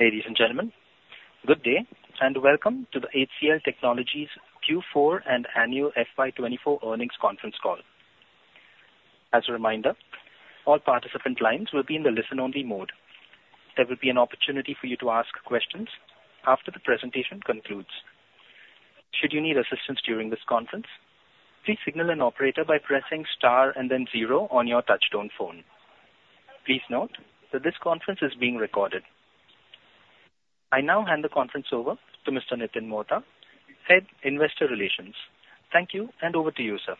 Ladies and gentlemen, good day, and welcome to the HCL Technologies Q4 and annual FY 2024 Earnings Conference Call. As a reminder, all participant lines will be in the listen-only mode. There will be an opportunity for you to ask questions after the presentation concludes. Should you need assistance during this conference, please signal an operator by pressing Star and then zero on your touchtone phone. Please note that this conference is being recorded. I now hand the conference over to Mr. Nitin Mohta, Head, Investor Relations. Thank you, and over to you, sir.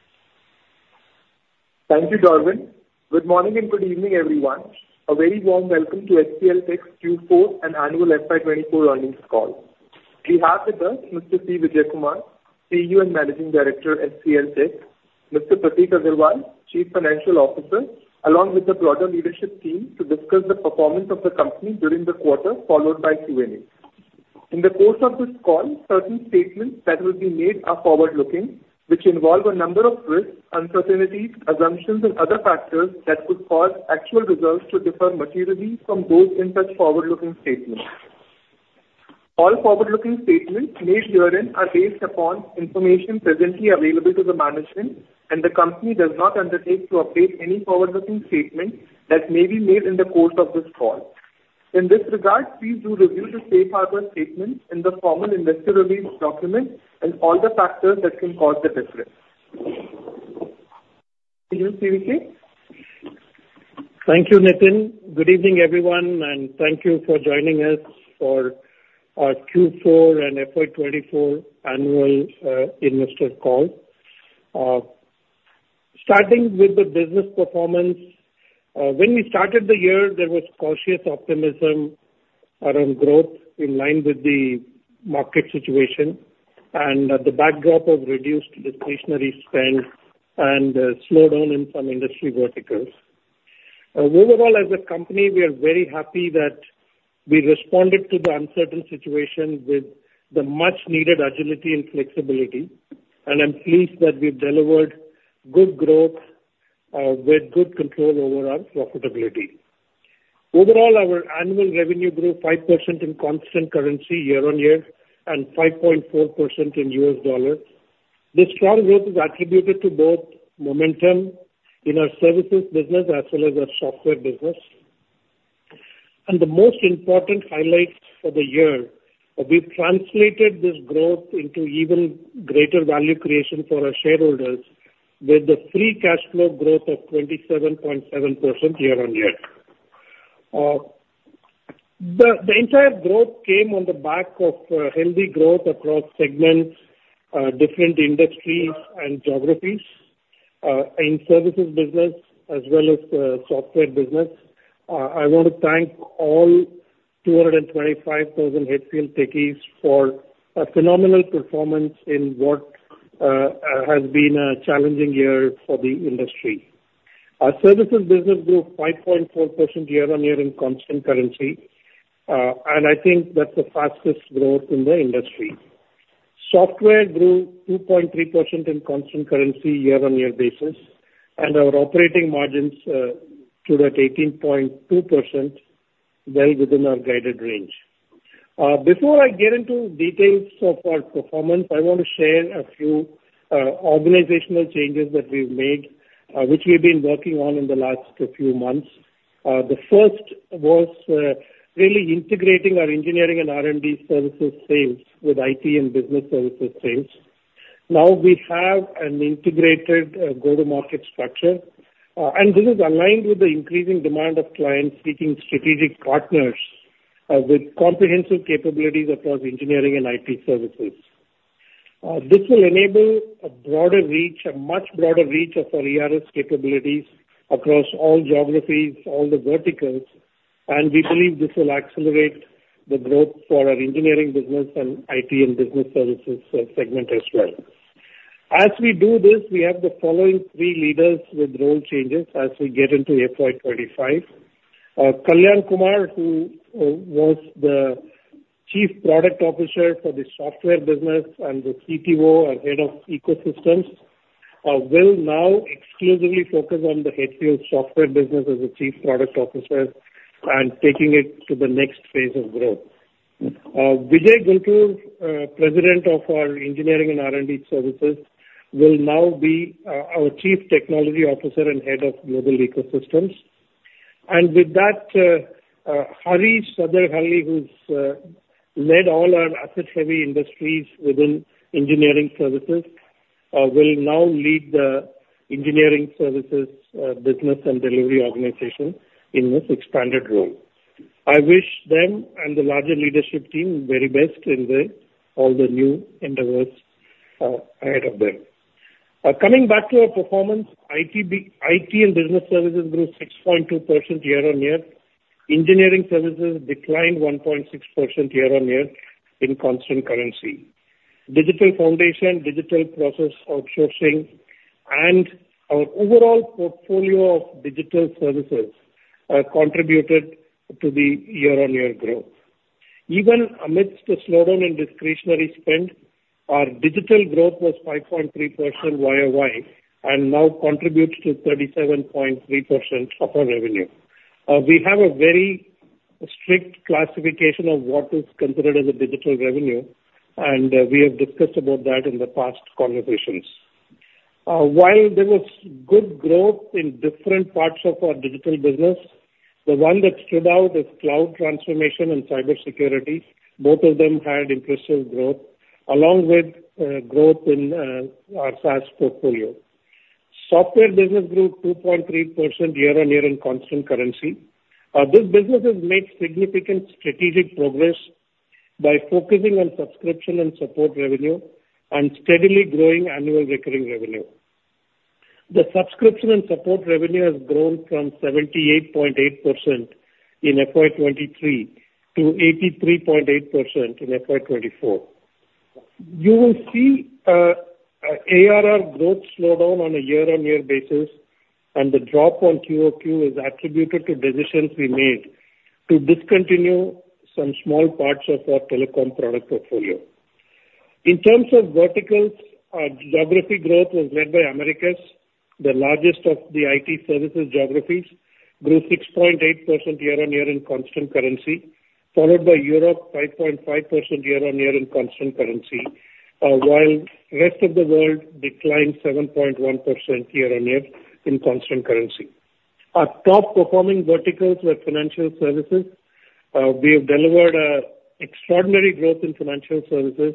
Thank you, Darwin. Good morning and good evening, everyone. A very warm welcome to HCLTech's Q4 and annual FY 2024 earnings call. We have with us Mr. C. Vijayakumar, CEO and Managing Director, HCLTech; Mr. Prateek Aggarwal, Chief Financial Officer, along with the broader leadership team, to discuss the performance of the company during the quarter, followed by Q&A. In the course of this call, certain statements that will be made are forward-looking, which involve a number of risks, uncertainties, assumptions, and other factors that could cause actual results to differ materially from those in such forward-looking statements. All forward-looking statements made herein are based upon information presently available to the management, and the company does not undertake to update any forward-looking statement that may be made in the course of this call. In this regard, please do review the safe harbor statement in the formal investor release document and all the factors that can cause the difference. To you, CVK. Thank you, Nitin. Good evening, everyone, and thank you for joining us for our Q4 and FY 2024 annual investor call. Starting with the business performance, when we started the year, there was cautious optimism around growth in line with the market situation and the backdrop of reduced discretionary spend and slowdown in some industry verticals. Overall, as a company, we are very happy that we responded to the uncertain situation with the much-needed agility and flexibility, and I'm pleased that we've delivered good growth with good control over our profitability. Overall, our annual revenue grew 5% in constant currency year-over-year and 5.4% in US dollars. This strong growth is attributed to both momentum in our services business as well as our software business. The most important highlight for the year, we've translated this growth into even greater value creation for our shareholders, with the Free Cash Flow growth of 27.7% year-on-year. The entire growth came on the back of healthy growth across segments, different industries and geographies, in services business as well as software business. I want to thank all 225,000 HCLTech techies for a phenomenal performance in what has been a challenging year for the industry. Our services business grew 5.4% year-on-year in constant currency, and I think that's the fastest growth in the industry. Software grew 2.3% in constant currency year-on-year basis, and our operating margins stood at 18.2%, well within our guided range. Before I get into details of our performance, I want to share a few organizational changes that we've made, which we've been working on in the last few months. The first was really integrating our engineering and R&D services sales with IT and business services sales. Now we have an integrated go-to-market structure, and this is aligned with the increasing demand of clients seeking strategic partners with comprehensive capabilities across engineering and IT services. This will enable a broader reach, a much broader reach of our ERS capabilities across all geographies, all the verticals, and we believe this will accelerate the growth for our engineering business and IT and business services segment as well. As we do this, we have the following three leaders with role changes as we get into FY 25. Kalyan Kumar, who was the Chief Product Officer for the software business and the CPO and Head of Ecosystems, will now exclusively focus on the HCL software business as the Chief Product Officer and taking it to the next phase of growth. Vijay Guntur, President of our Engineering and R&D Services, will now be our Chief Technology Officer and Head of Global Ecosystems. And with that, Hari Sadarahalli, who's led all our asset-heavy industries within engineering services, will now lead the engineering services business and delivery organization in this expanded role. I wish them and the larger leadership team the very best in the all the new endeavors ahead of them. Coming back to our performance, IT and business services grew 6.2% year-on-year. Engineering services declined 1.6% year-on-year in constant currency. Digital Foundation, digital process outsourcing, and our overall portfolio of digital services contributed to the year-on-year growth. Even amidst the slowdown in discretionary spend, our digital growth was 5.3% Y-o-Y, and now contributes to 37.3% of our revenue. We have a very strict classification of what is considered as a digital revenue, and we have discussed about that in the past conversations. While there was good growth in different parts of our digital business, the one that stood out is cloud transformation and cybersecurity. Both of them had impressive growth, along with growth in our SaaS portfolio. Software business grew 2.3% year-on-year in constant currency. This business has made significant strategic progress by focusing on subscription and support revenue, and steadily growing annual recurring revenue. The subscription and support revenue has grown from 78.8% in FY 2023 to 83.8% in FY 2024. You will see ARR growth slow down on a year-on-year basis, and the drop on QoQ is attributed to decisions we made to discontinue some small parts of our telecom product portfolio. In terms of verticals, our geography growth was led by Americas, the largest of the IT services geographies, grew 6.8% year-on-year in constant currency, followed by Europe, 5.5% year-on-year in constant currency, while rest of the world declined 7.1% year-on-year in constant currency. Our top performing verticals were financial services. We have delivered an extraordinary growth in financial services,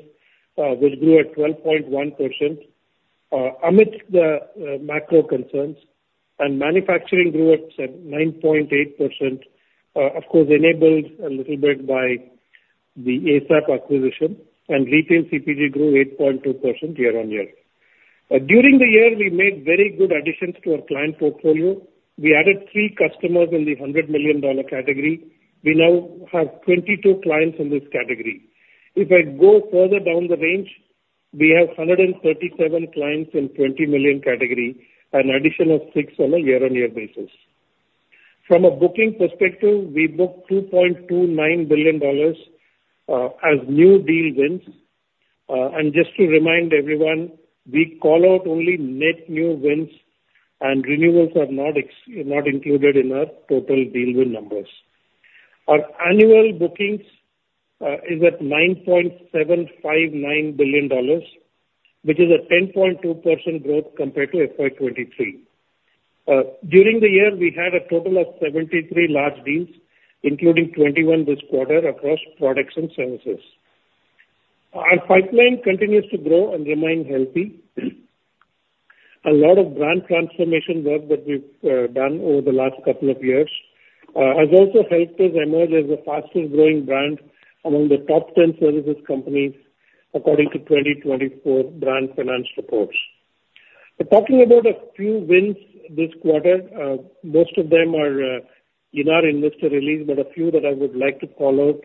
which grew at 12.1%, amidst the macro concerns, and manufacturing grew at 9.8%. Of course, enabled a little bit by the ASAP acquisition, and retail CPG grew 8.2% year-on-year. During the year, we made very good additions to our client portfolio. We added 3 customers in the $100 million category. We now have 22 clients in this category. If I go further down the range, we have 137 clients in $20 million category, an addition of 6 on a year-on-year basis. From a booking perspective, we booked $2.29 billion as new deal wins. And just to remind everyone, we call out only net new wins, and renewals are not included in our total deal win numbers. Our annual bookings is at $9.759 billion, which is a 10.2% growth compared to FY 2023. During the year, we had a total of 73 large deals, including 21 this quarter across products and services. Our pipeline continues to grow and remain healthy. A lot of brand transformation work that we've done over the last couple of years has also helped us emerge as the fastest growing brand among the top ten services companies, according to 2024 Brand Finance reports. Talking about a few wins this quarter, most of them are in our investor release, but a few that I would like to call out.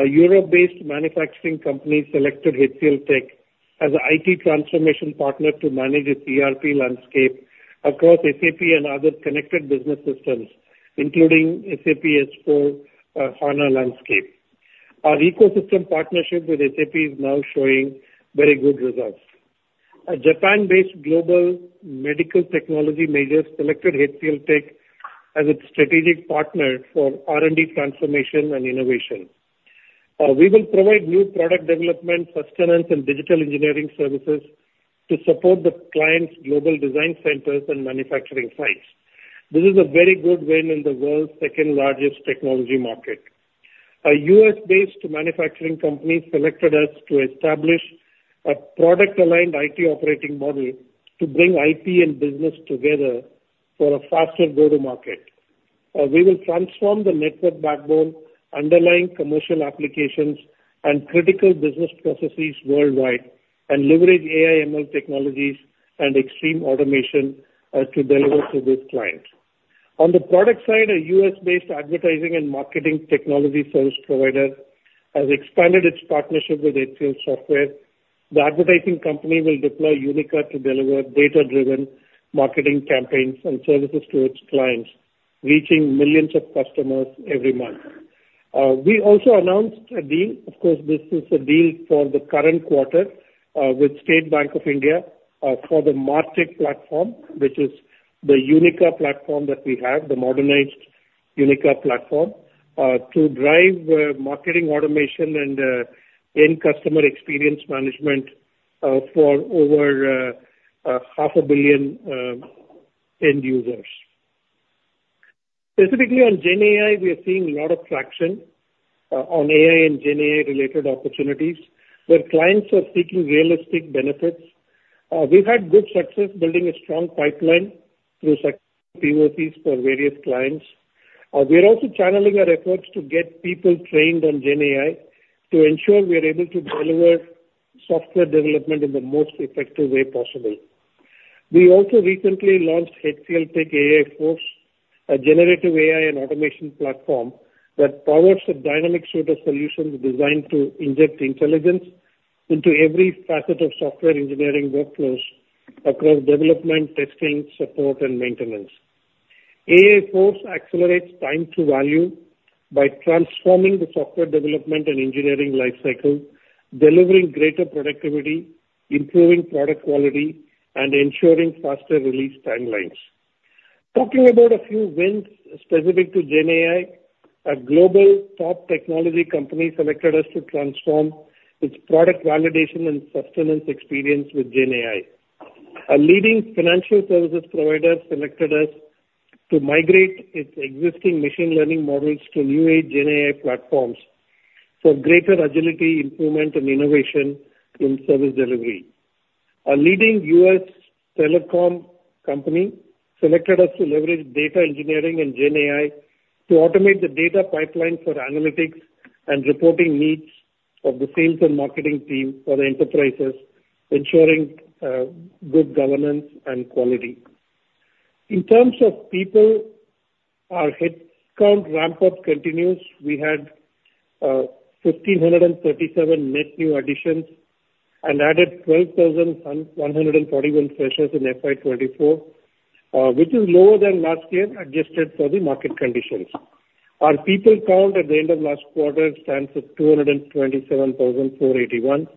A Europe-based manufacturing company selected HCLTech as an IT transformation partner to manage its ERP landscape across SAP and other connected business systems, including SAP S/4HANA landscape. Our ecosystem partnership with SAP is now showing very good results. A Japan-based global medical technology major selected HCLTech as its strategic partner for R&D transformation and innovation. We will provide new product development, sustenance, and digital engineering services to support the client's global design centers and manufacturing sites. This is a very good win in the world's second largest technology market. A U.S.-based manufacturing company selected us to establish a product-aligned IT operating model to bring IT and business together for a faster go-to-market. We will transform the network backbone, underlying commercial applications, and critical business processes worldwide, and leverage AI ML technologies and extreme automation to deliver to this client. On the product side, a U.S.-based advertising and marketing technology service provider has expanded its partnership with HCLSoftware. The advertising company will deploy Unica to deliver data-driven marketing campaigns and services to its clients, reaching millions of customers every month. We also announced a deal, of course, this is a deal for the current quarter, with State Bank of India, for the MarTech platform, which is the Unica platform that we have, the modernized Unica platform, to drive, marketing automation and, end customer experience management, for over half a billion end users. Specifically on GenAI, we are seeing a lot of traction, on AI and GenAI-related opportunities, where clients are seeking realistic benefits. We've had good success building a strong pipeline through success POCs for various clients. We are also channeling our efforts to get people trained on GenAI to ensure we are able to deliver software development in the most effective way possible. We also recently launched HCLTech AI Force, a generative AI and automation platform that powers a dynamic suite of solutions designed to inject intelligence into every facet of software engineering workflows across development, testing, support, and maintenance. AI Force accelerates time to value by transforming the software development and engineering life cycle, delivering greater productivity, improving product quality, and ensuring faster release timelines. Talking about a few wins specific to GenAI, a global top technology company selected us to transform its product validation and sustenance experience with GenAI. A leading financial services provider selected us to migrate its existing machine learning models to new age GenAI platforms for greater agility, improvement, and innovation in service delivery. A leading U.S. telecom company selected us to leverage data engineering and GenAI to automate the data pipeline for analytics and reporting needs of the sales and marketing team for the enterprises, ensuring good governance and quality. In terms of people, our headcount ramp-up continues. We had 1,537 net new additions and added 12,141 freshers in FY 2024, which is lower than last year, adjusted for the market conditions. Our people count at the end of last quarter stands at 227,481.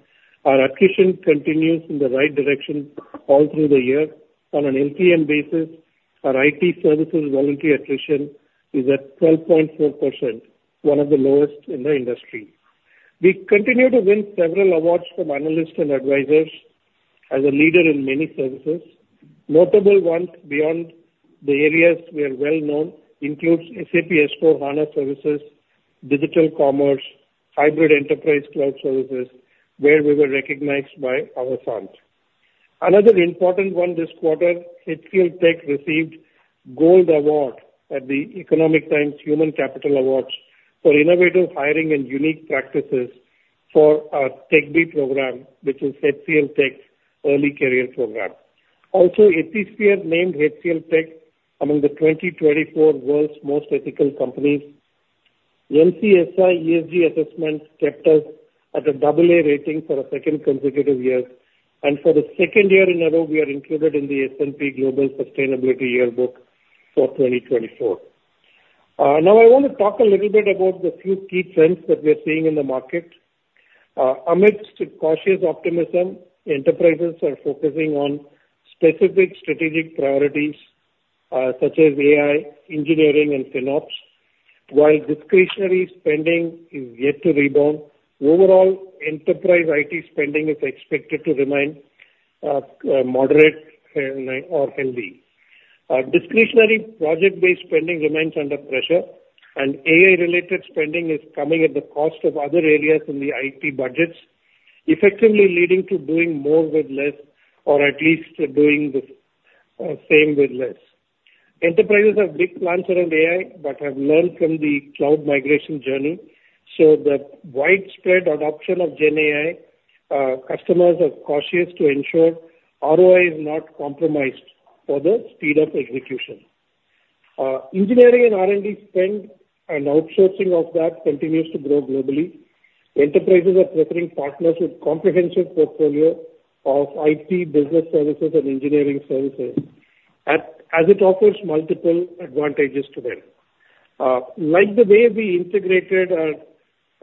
Our attrition continues in the right direction all through the year. On an LTM basis, our IT services volunteer attrition is at 12.4%, one of the lowest in the industry. We continue to win several awards from analysts and advisors as a leader in many services. Notable ones beyond the areas we are well known includes SAP S/4HANA services, digital commerce, hybrid enterprise cloud services, where we were recognized by our clients. Another important one this quarter, HCLTech received Gold Award at the Economic Times Human Capital Awards for innovative hiring and unique practices for our TechBee program, which is HCLTech's early career program. Also, Ethisphere named HCLTech among the 2024 World's Most Ethical Companies. MSCI ESG assessments kept us at a double A rating for a second consecutive year, and for the second year in a row, we are included in the S&P Global Sustainability Yearbook for 2024. Now, I want to talk a little bit about the few key trends that we're seeing in the market. Amidst cautious optimism, enterprises are focusing on specific strategic priorities, such as AI, engineering, and FinOps. While discretionary spending is yet to rebound, overall enterprise IT spending is expected to remain moderate and healthy. Discretionary project-based spending remains under pressure, and AI-related spending is coming at the cost of other areas in the IT budgets, effectively leading to doing more with less, or at least doing the same with less. Enterprises have big plans around AI, but have learned from the cloud migration journey. So the widespread adoption of GenAI, customers are cautious to ensure ROI is not compromised for the speed of execution. Engineering and R&D spend and outsourcing of that continues to grow globally. Enterprises are preferring partners with comprehensive portfolio of IT business services and engineering services, as it offers multiple advantages to them. Like the way we integrated our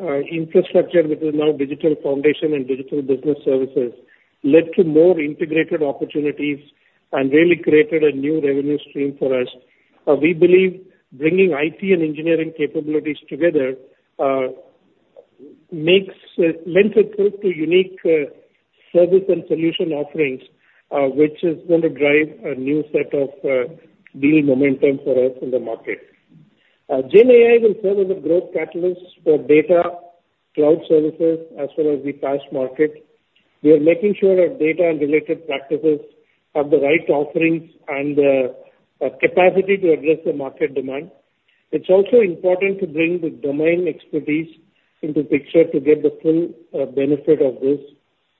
infrastructure, which is now Digital Foundation and digital business services, led to more integrated opportunities and really created a new revenue stream for us. We believe bringing IT and engineering capabilities together lends itself to unique service and solution offerings, which is going to drive a new set of new momentum for us in the market. GenAI will serve as a growth catalyst for data, cloud services, as well as the tech market. We are making sure that data and related practices have the right offerings and the capacity to address the market demand. It's also important to bring the domain expertise into picture to get the full benefit of this,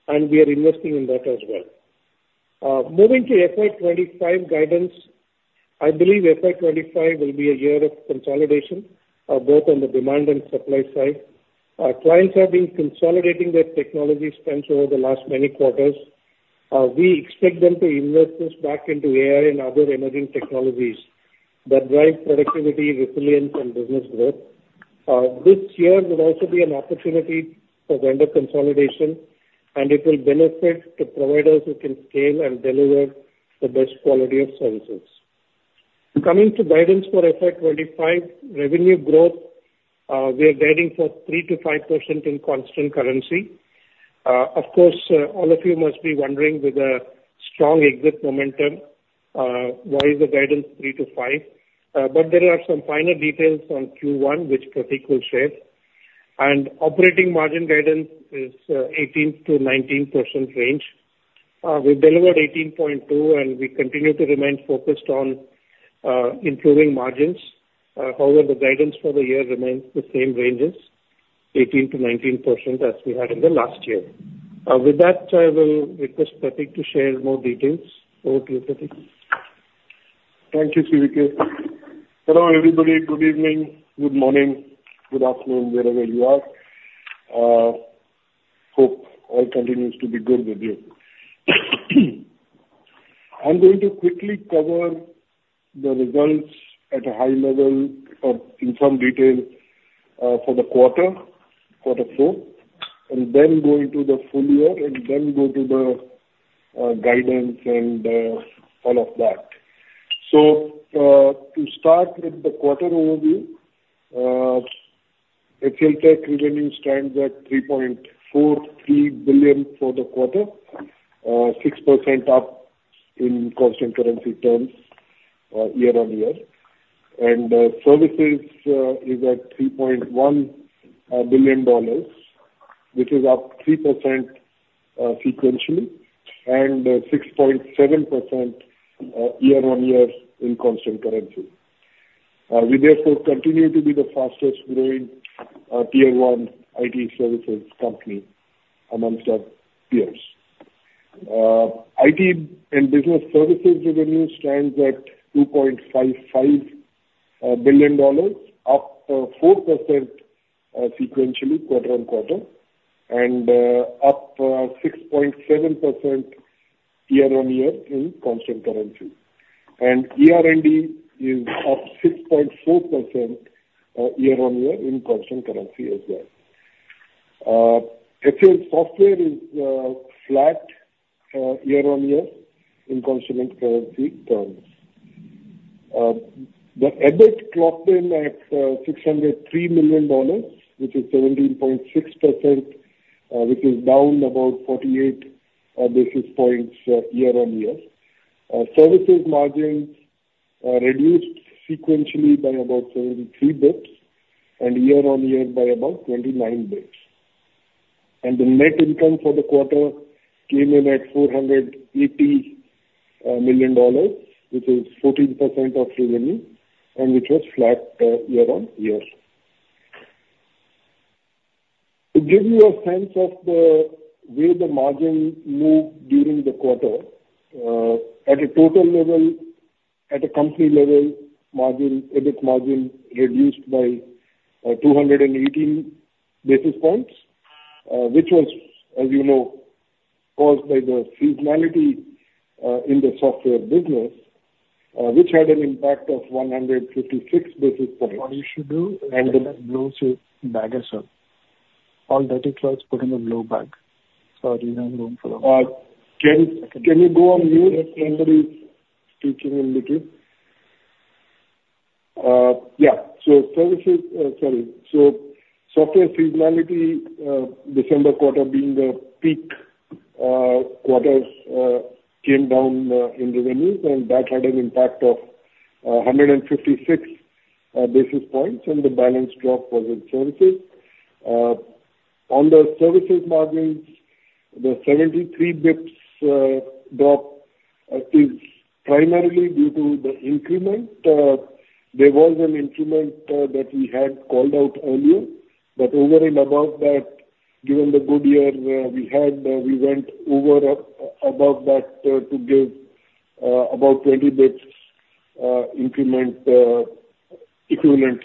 and we are investing in that as well. Moving to FY 25 guidance. I believe FY25 will be a year of consolidation, both on the demand and supply side. Our clients have been consolidating their technology spends over the last many quarters. We expect them to invest this back into AI and other emerging technologies that drive productivity, resilience, and business growth. This year will also be an opportunity for vendor consolidation, and it will benefit the providers who can scale and deliver the best quality of services. Coming to guidance for FY25, revenue growth, we are guiding for 3%-5% in constant currency. Of course, all of you must be wondering, with the strong exit momentum, why is the guidance 3-5? But there are some finer details on Q1, which Prateek will share. Operating margin guidance is 18%-19% range. We delivered 18.2, and we continue to remain focused on improving margins. However, the guidance for the year remains the same ranges, 18%-19%, as we had in the last year. With that, I will request Prateek to share more details. Over to you, Prateek. Thank you, CVK. Hello, everybody. Good evening, good morning, good afternoon, wherever you are. Hope all continues to be good with you. I'm going to quickly cover the results at a high level in some detail for the quarter, quarter four, and then go into the full year and then go to the guidance and all of that. To start with the quarter overview, HCLTech revenue stands at $3.43 billion for the quarter, 6% up in constant currency terms year-on-year. And services is at $3.1 billion, which is up 3% sequentially, and 6.7% year-on-year in constant currency. We therefore continue to be the fastest growing tier one IT services company amongst our peers. IT and Business Services revenue stands at $2.55 billion, up 4% sequentially quarter-on-quarter, and up 6.7% year-on-year in constant currency. ER&D is up 6.4% year-on-year in constant currency as well. HCL Software is flat year-on-year in constant currency terms. The EBIT clocked in at $603 million, which is 17.6%, which is down about 48 basis points year-on-year. Services margins are reduced sequentially by about 73 basis points and year-on-year by about 29 basis points. The net income for the quarter came in at $480 million, which is 14% of revenue and which was flat year-on-year. To give you a sense of the way the margin moved during the quarter, at a total level, at a company level, margin, EBIT margin reduced by 218 basis points, which was, as you know, caused by the seasonality in the software business, which had an impact of 156 basis points. What you should do is put in a blue suit bag, sir. All dirty clothes put in a blue bag. Sorry, we haven't room for that. Can you go on mute? Somebody is speaking in between. Yeah, so services—sorry. So software seasonality, December quarter being the peak quarters, came down in revenues, and that had an impact of 156 basis points, and the balance drop was in services. On the services margins, the 73 basis points drop is primarily due to the increment. There was an increment that we had called out earlier, but over and above that, given the good year, we had, we went above that to give about 20 basis points increment, equivalent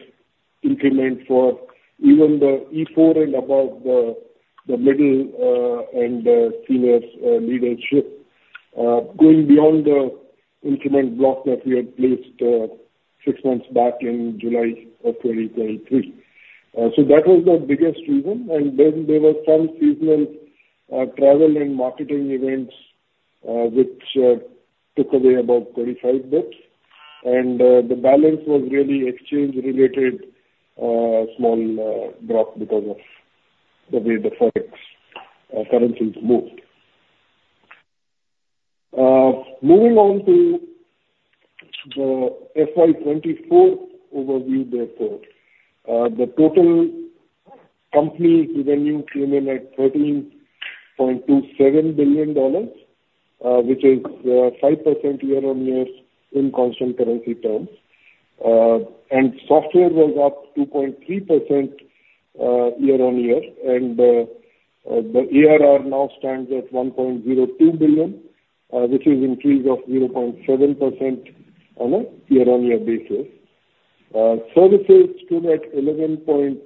increment for even the E4 and above, the middle and the seniors leadership. Going beyond the increment block that we had placed six months back in July of 2023. So that was the biggest reason. And then there were some seasonal travel and marketing events, which took away about 25 basis points. And the balance was really exchange related, small drop because of the way the Forex currencies moved. Moving on to the FY 2024 overview therefore. The total company revenue came in at $13.27 billion, which is 5% year-on-year in constant currency terms. And software was up 2.3% year-on-year. And the ARR now stands at $1.02 billion, which is increase of 0.7% on a year-on-year basis. Services stood at $11.92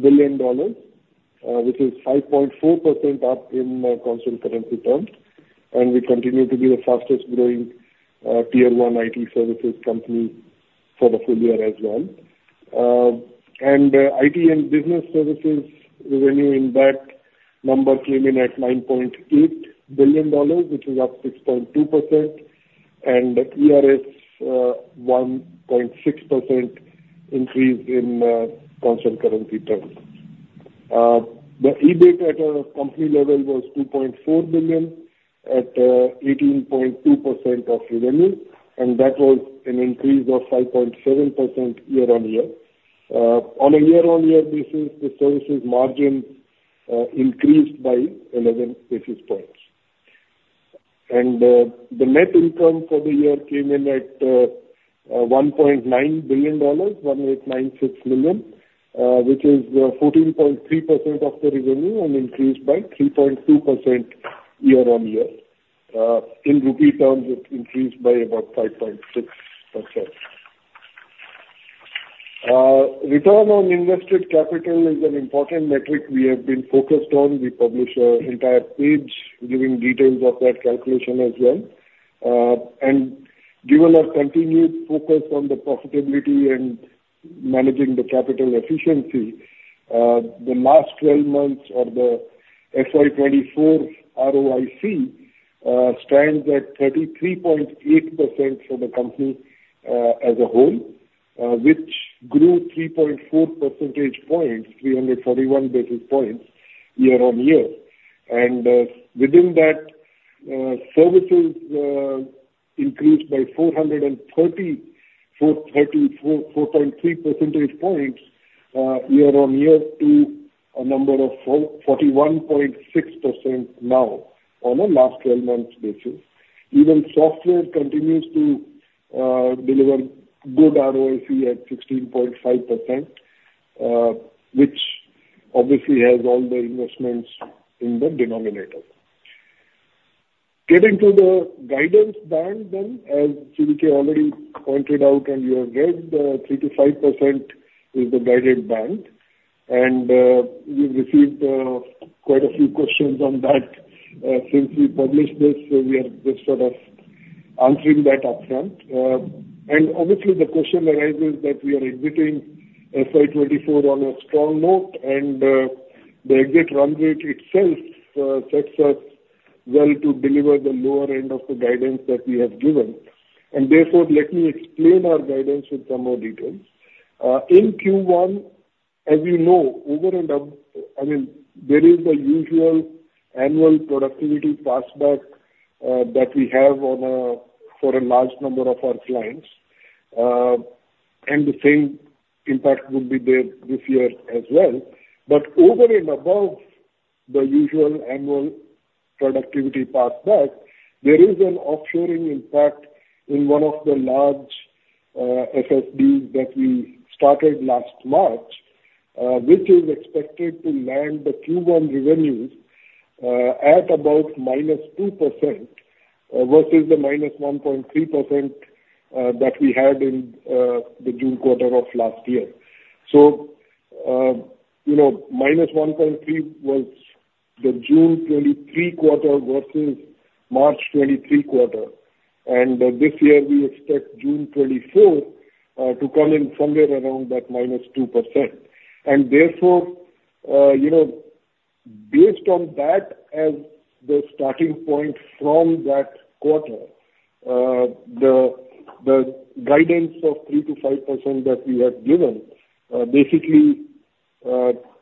billion, which is 5.4% up in constant currency terms, and we continue to be the fastest growing tier one IT services company for the full year as well. IT and Business Services revenue in that number came in at $9.8 billion, which is up 6.2%, and ERS 1.6% increase in constant currency terms. The EBIT at a company level was $2.4 billion at 18.2% of revenue, and that was an increase of 5.7% year-on-year. On a year-on-year basis, the services margin increased by 11 basis points. The net income for the year came in at $1.9 billion, $1,896 million, which is 14.3% of the revenue and increased by 3.2% year-on-year. In rupee terms, it increased by about 5.6%. Return on invested capital is an important metric we have been focused on. We publish an entire page giving details of that calculation as well. And given our continued focus on the profitability and managing the capital efficiency, the last twelve months or the FY 2024 ROIC stands at 33.8% for the company as a whole, which grew 3.4 percentage points, 341 basis points year-on-year. Within that, services increased by 4.3 percentage points year-on-year to 41.6% now on a last twelve months basis. Even software continues to deliver good ROIC at 16.5%, which obviously has all the investments in the denominator. Getting to the guidance band then, as CVK already pointed out, and you have read, 3%-5% is the guided band, and we've received quite a few questions on that since we published this, so we are just sort of answering that upfront. Obviously the question arises that we are exiting FY 2024 on a strong note and the exit run rate itself sets us well to deliver the lower end of the guidance that we have given. And therefore, let me explain our guidance with some more details. In Q1, as you know, over and above, I mean, there is the usual annual productivity passback that we have on for a large number of our clients. And the same impact would be there this year as well. But over and above the usual annual productivity passback, there is an offshoring impact in one of the large FS deals that we started last March, which is expected to land the Q1 revenues at about -2%, versus the -1.3% that we had in the June quarter of last year. So, you know, -1.3% was the June 2023 quarter versus March 2023 quarter. And this year, we expect June 2024 to come in somewhere around that -2%. Therefore, you know, based on that as the starting point from that quarter, the guidance of 3%-5% that we have given basically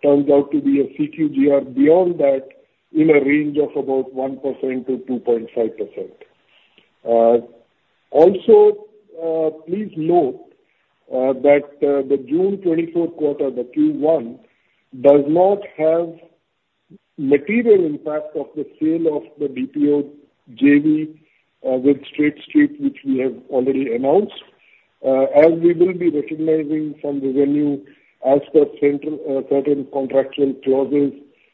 turns out to be a CQGR beyond that in a range of about 1%-2.5%. Also, please note that the June 2024 quarter, the Q1, does not have material impact of the sale of the BPO JV with State Street, which we have already announced, as we will be recognizing some revenue as per certain contractual clauses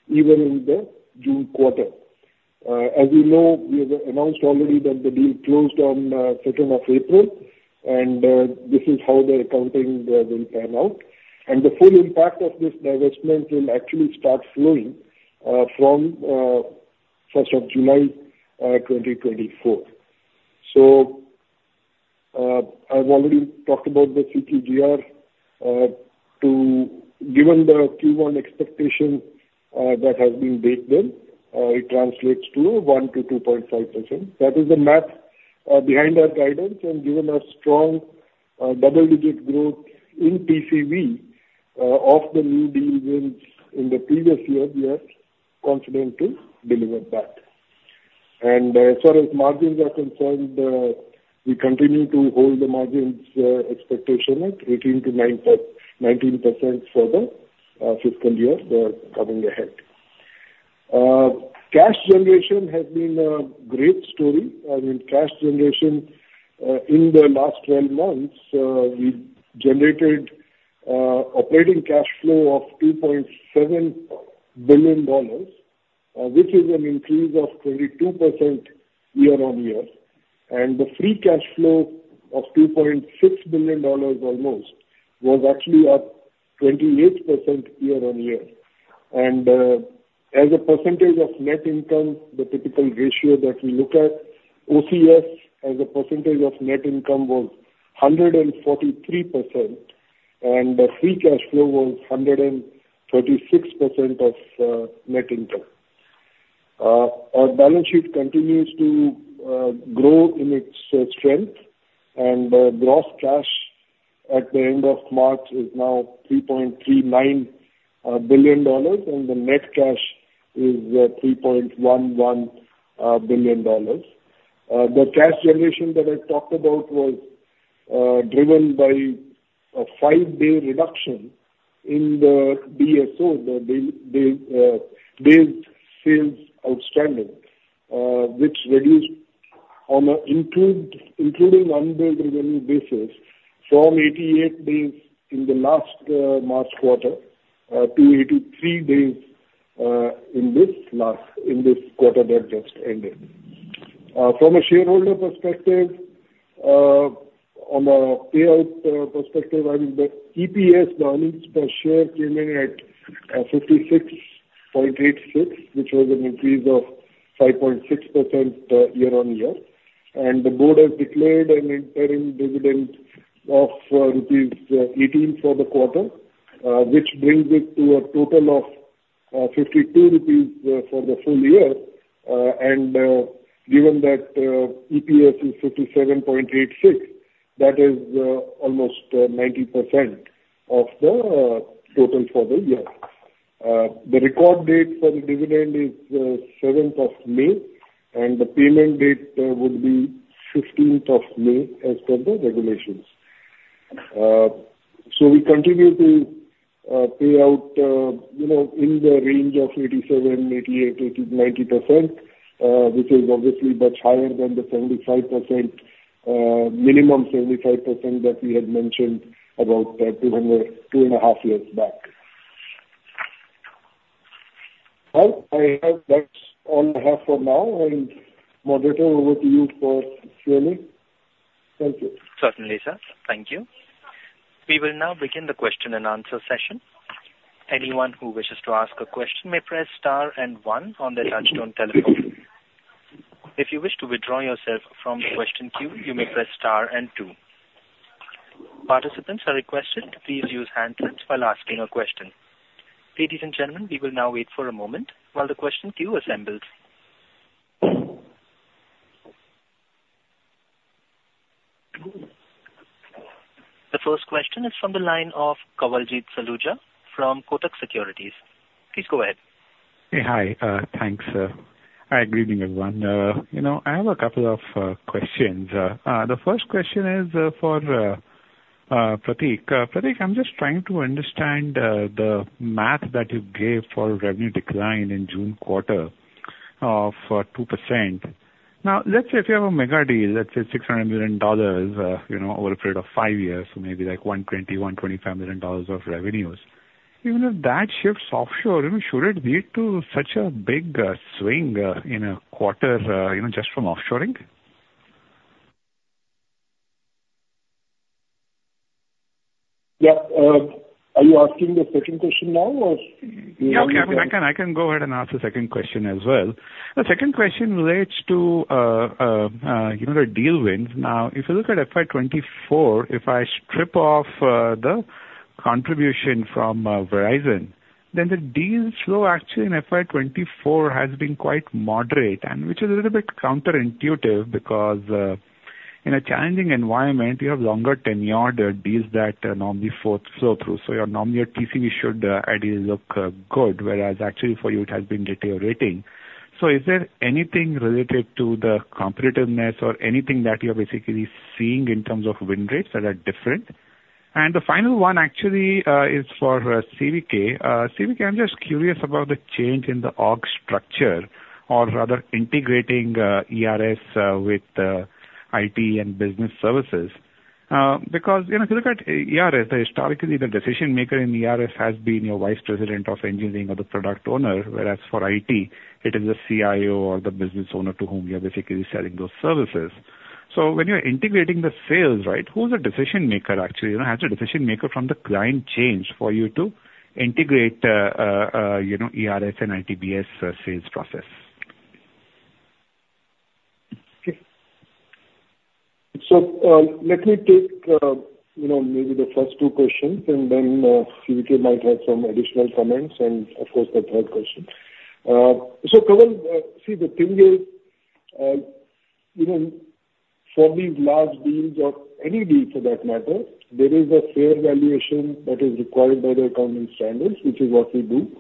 even in the June quarter. As you know, we have announced already that the deal closed on second of April, and this is how the accounting will pan out. The full impact of this divestment will actually start flowing from July 1, 2024. So, I've already talked about the CQGR given the Q1 expectation that has been baked in, it translates to 1%-2.5%. That is the math behind our guidance, and given our strong double-digit growth in TCV of the new deals in the previous year, we are confident to deliver that. And, as far as margins are concerned, we continue to hold the margins expectation at 18%-19% for the fiscal year coming ahead. Cash generation has been a great story. I mean, cash generation, in the last 12 months, we generated, operating cash flow of $2.7 billion, which is an increase of 22% year-on-year. And the free cash flow of $2.6 billion almost was actually up 28% year-on-year. And, as a percentage of net income, the typical ratio that we look at, OCF as a percentage of net income was 143%, and the free cash flow was 136% of, net income. Our balance sheet continues to, grow in its, strength, and, gross cash at the end of March is now $3.39 billion, and the net cash is, $3.11 billion. The cash generation that I talked about was driven by a 5-day reduction in the DSO, the days sales outstanding, which reduced on an including unbilled revenue basis from 88 days in the last March quarter to 83 days in this last, in this quarter that just ended. From a shareholder perspective, on a payout perspective, I mean, the EPS earnings per share came in at $56.86, which was an increase of 5.6% year-on-year. And the board has declared an interim dividend of rupees 18 for the quarter, which brings it to a total of 52 rupees for the full year. And, given that, EPS is $57.86, that is, almost, 90% of the total for the year. The record date for the dividend is 7th of May, and the payment date would be 15th of May, as per the regulations. So we continue to pay out, you know, in the range of 87, 88, 80, 90%, which is obviously much higher than the 75% minimum 75% that we had mentioned about 2, 2.5 years back. Well, I hope that's all I have for now, and moderator, over to you for Q&A. Thank you. Certainly, sir. Thank you. We will now begin the question and answer session. Anyone who wishes to ask a question may press star and one on their touchtone telephone. If you wish to withdraw yourself from the question queue, you may press star and two. Participants are requested to please use handsets while asking a question. Ladies and gentlemen, we will now wait for a moment while the question queue assembles. The first question is from the line of Kawaljit Saluja from Kotak Securities. Please go ahead. Hey, hi. Thanks. Hi, good evening, everyone. You know, I have a couple of questions. The first question is for Prateek. Prateek, I'm just trying to understand the math that you gave for revenue decline in June quarter of 2%. Now, let's say if you have a mega deal, let's say $600 million, you know, over a period of 5 years, so maybe like $120 million-$125 million of revenues. Even if that shifts offshore, I mean, should it lead to such a big swing in a quarter, you know, just from offshoring? Yeah, are you asking the second question now, or...? Yeah, I mean, I can, I can go ahead and ask the second question as well. The second question relates to, you know, the deal wins. Now, if you look at FY 2024, if I strip off, the contribution from, Verizon, then the deal flow actually in FY 2024 has been quite moderate, and which is a little bit counterintuitive, because, in a challenging environment, you have longer tenured, deals that, normally flow, flow through. So your nominal TCV should, ideally look, good, whereas actually for you it has been deteriorating. So is there anything related to the competitiveness or anything that you're basically seeing in terms of win rates that are different? And the final one actually, is for, CVK. CVK, I'm just curious about the change in the org structure or rather integrating ERS with IT and business services. Because, you know, if you look at ERS, historically, the decision maker in ERS has been your vice president of engineering or the product owner, whereas for IT, it is the CIO or the business owner to whom you are basically selling those services. So when you're integrating the sales, right, who's the decision maker, actually? You know, has the decision maker from the client changed for you to integrate, you know, ERS and ITBS sales process? Okay. So, let me take, you know, maybe the first two questions, and then, CVK might have some additional comments and of course, the third question. So Kawaljit, see, the thing is, you know, for these large deals or any deal for that matter, there is a fair valuation that is required by the accounting standards, which is what we do.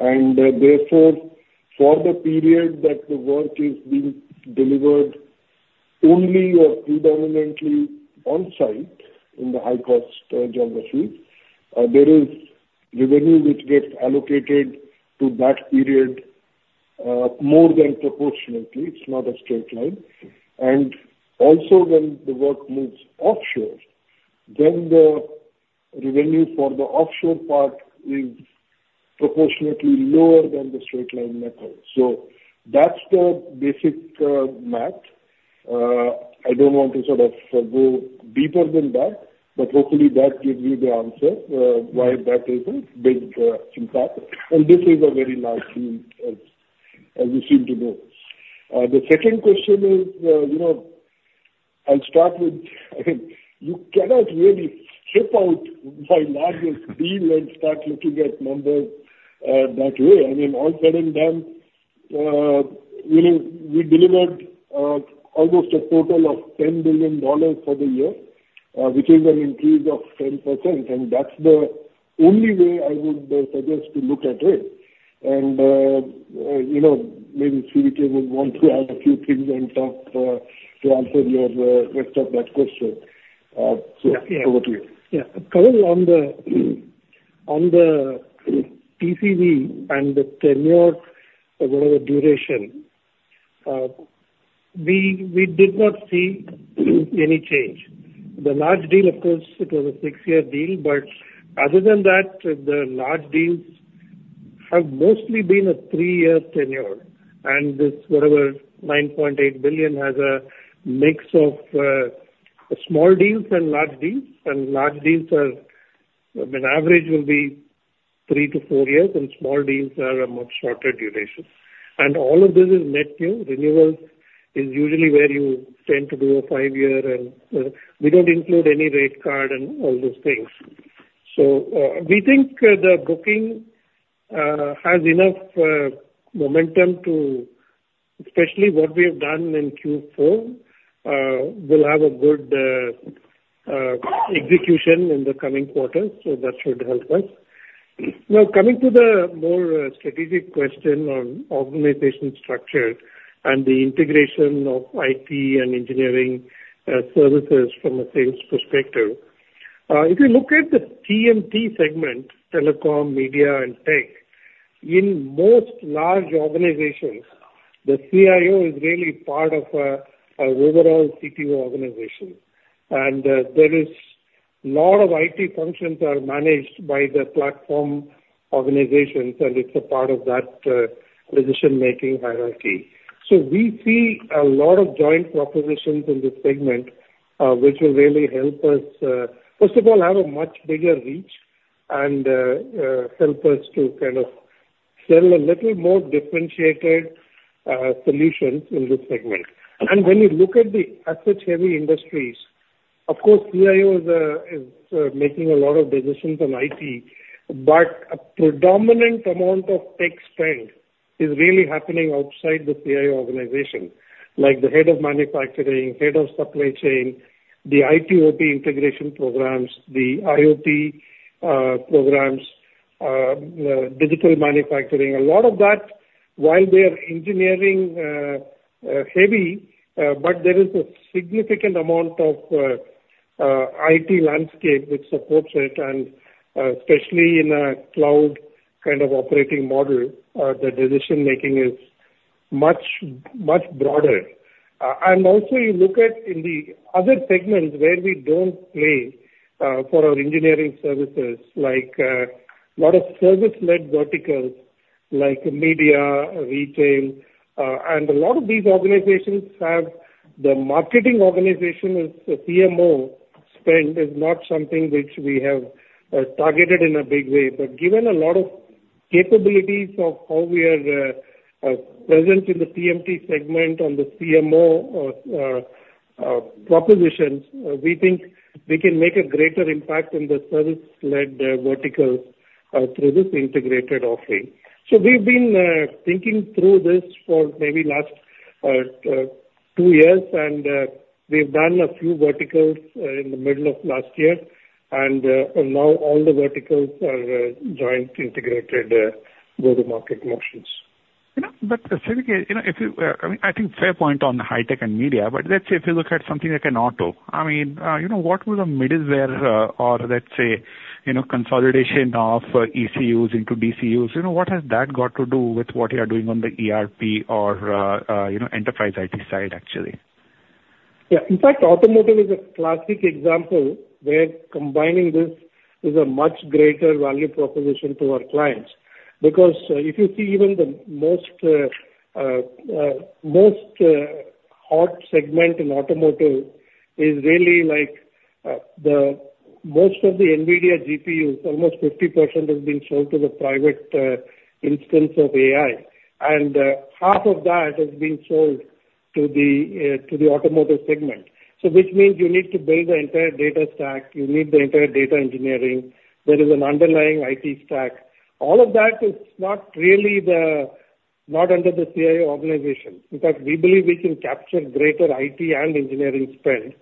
And, therefore, for the period that the work is being delivered only or predominantly on-site in the high-cost, geographies, there is revenue which gets allocated to that period, more than proportionately. It's not a straight line. And also, when the work moves offshore, then the revenue for the offshore part is proportionately lower than the straight line method. So that's the basic, math. I don't want to sort of go deeper than that, but hopefully that gives you the answer why that is a big impact. And this is a very large deal, as we seem to know. The second question is, you know, I'll start with... I think you cannot really strip out one large deal and start looking at numbers that way. I mean, all said and done, you know, we delivered almost a total of $10 billion for the year, which is an increase of 10%, and that's the only way I would suggest to look at it. And, you know, maybe CVK would want to add a few things on top to answer your rest of that question. So over to you. Yeah. Kawaljit, on the TCV and the tenure or whatever duration, we did not see any change. The large deal, of course, it was a six-year deal, but other than that, the large deals have mostly been a three-year tenure, and this, whatever, $9.8 billion has a mix of small deals and large deals, and large deals are, I mean, average will be 3-4 years, and small deals are a much shorter duration. And all of this is net new. Renewals is usually where you tend to do a 5-year, and we don't include any rate card and all those things. So, we think the booking has enough momentum. Especially what we have done in Q4 will have a good execution in the coming quarters, so that should help us. Now, coming to the more strategic question on organization structure and the integration of IT and engineering services from a sales perspective. If you look at the TMT segment, telecom, media and tech, in most large organizations, the CIO is really part of a overall CTO organization. And there is lot of IT functions are managed by the platform organizations, and it's a part of that decision-making hierarchy. So we see a lot of joint propositions in this segment, which will really help us first of all have a much bigger reach and help us to kind of sell a little more differentiated solutions in this segment. When you look at the asset-heavy industries, of course, CIO is making a lot of decisions on IT, but a predominant amount of tech spend is really happening outside the CIO organization. Like the head of manufacturing, head of supply chain, the IT/OT integration programs, the IoT programs, digital manufacturing, a lot of that, while they are engineering heavy, but there is a significant amount of IT landscape which supports it, and especially in a cloud kind of operating model, the decision making is much, much broader. And also you look at in the other segments where we don't play, for our engineering services, like, lot of service-led verticals, like media, retail, and a lot of these organizations have the marketing organization, is the CMO spend is not something which we have targeted in a big way. But given a lot of capabilities of how we are present in the CMT segment on the CMO propositions, we think we can make a greater impact in the service-led vertical through this integrated offering. So we've been thinking through this for maybe last two years, and, we've done a few verticals in the middle of last year. And, and now all the verticals are joint integrated go-to-market motions. You know, but CVK, you know, if you, I mean, I think fair point on the high tech and media, but let's say if you look at something like an auto, I mean, you know, what will the middleware, or let's say, you know, consolidation of ECUs into DCUs, you know, what has that got to do with what you are doing on the ERP or, you know, enterprise IT side, actually? Yeah. In fact, automotive is a classic example where combining this is a much greater value proposition to our clients. Because, if you see even the most hot segment in automotive is really like the most of the NVIDIA GPUs, almost 50% have been sold to the private instance of AI, and half of that has been sold to the automotive segment. So which means you need to build the entire data stack, you need the entire data engineering. There is an underlying IT stack. All of that is not really under the CIO organization. In fact, we believe we can capture greater IT and engineering spend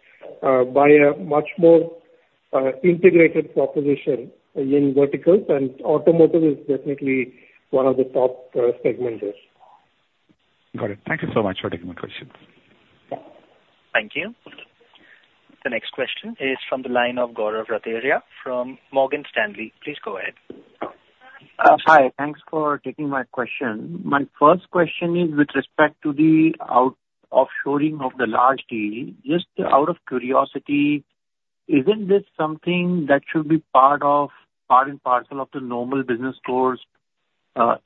by a much more integrated proposition in verticals, and automotive is definitely one of the top segment there. Got it. Thank you so much for taking my question. Thank you. The next question is from the line of Gaurav Rateria from Morgan Stanley. Please go ahead. Hi, thanks for taking my question. My first question is with respect to the offshoring of the large deal. Just out of curiosity, isn't this something that should be part of, part and parcel of the normal business course,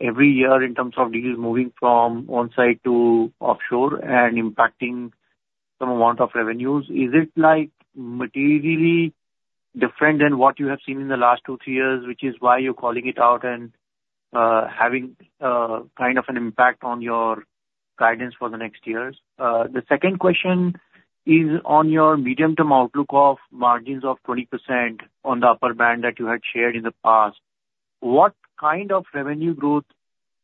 every year in terms of deals moving from on-site to offshore and impacting some amount of revenues? Is it, like, materially different than what you have seen in the last two, three years, which is why you're calling it out and, kind of an impact on your guidance for the next years? The second question is on your medium-term outlook of margins of 20% on the upper band that you had shared in the past. What kind of revenue growth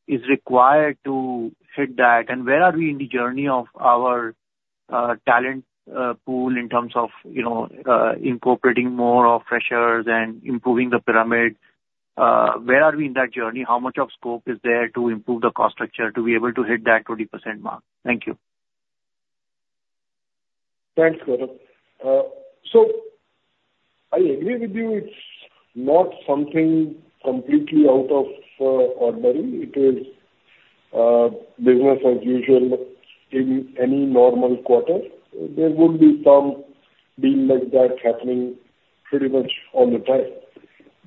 is required to hit that? Where are we in the journey of our talent pool in terms of, you know, incorporating more of freshers and improving the pyramid? Where are we in that journey? How much of scope is there to improve the cost structure to be able to hit that 20% mark? Thank you. Thanks, Gaurav. So I agree with you, it's not something completely out of ordinary. It is business as usual in any normal quarter. There would be some deal like that happening pretty much all the time.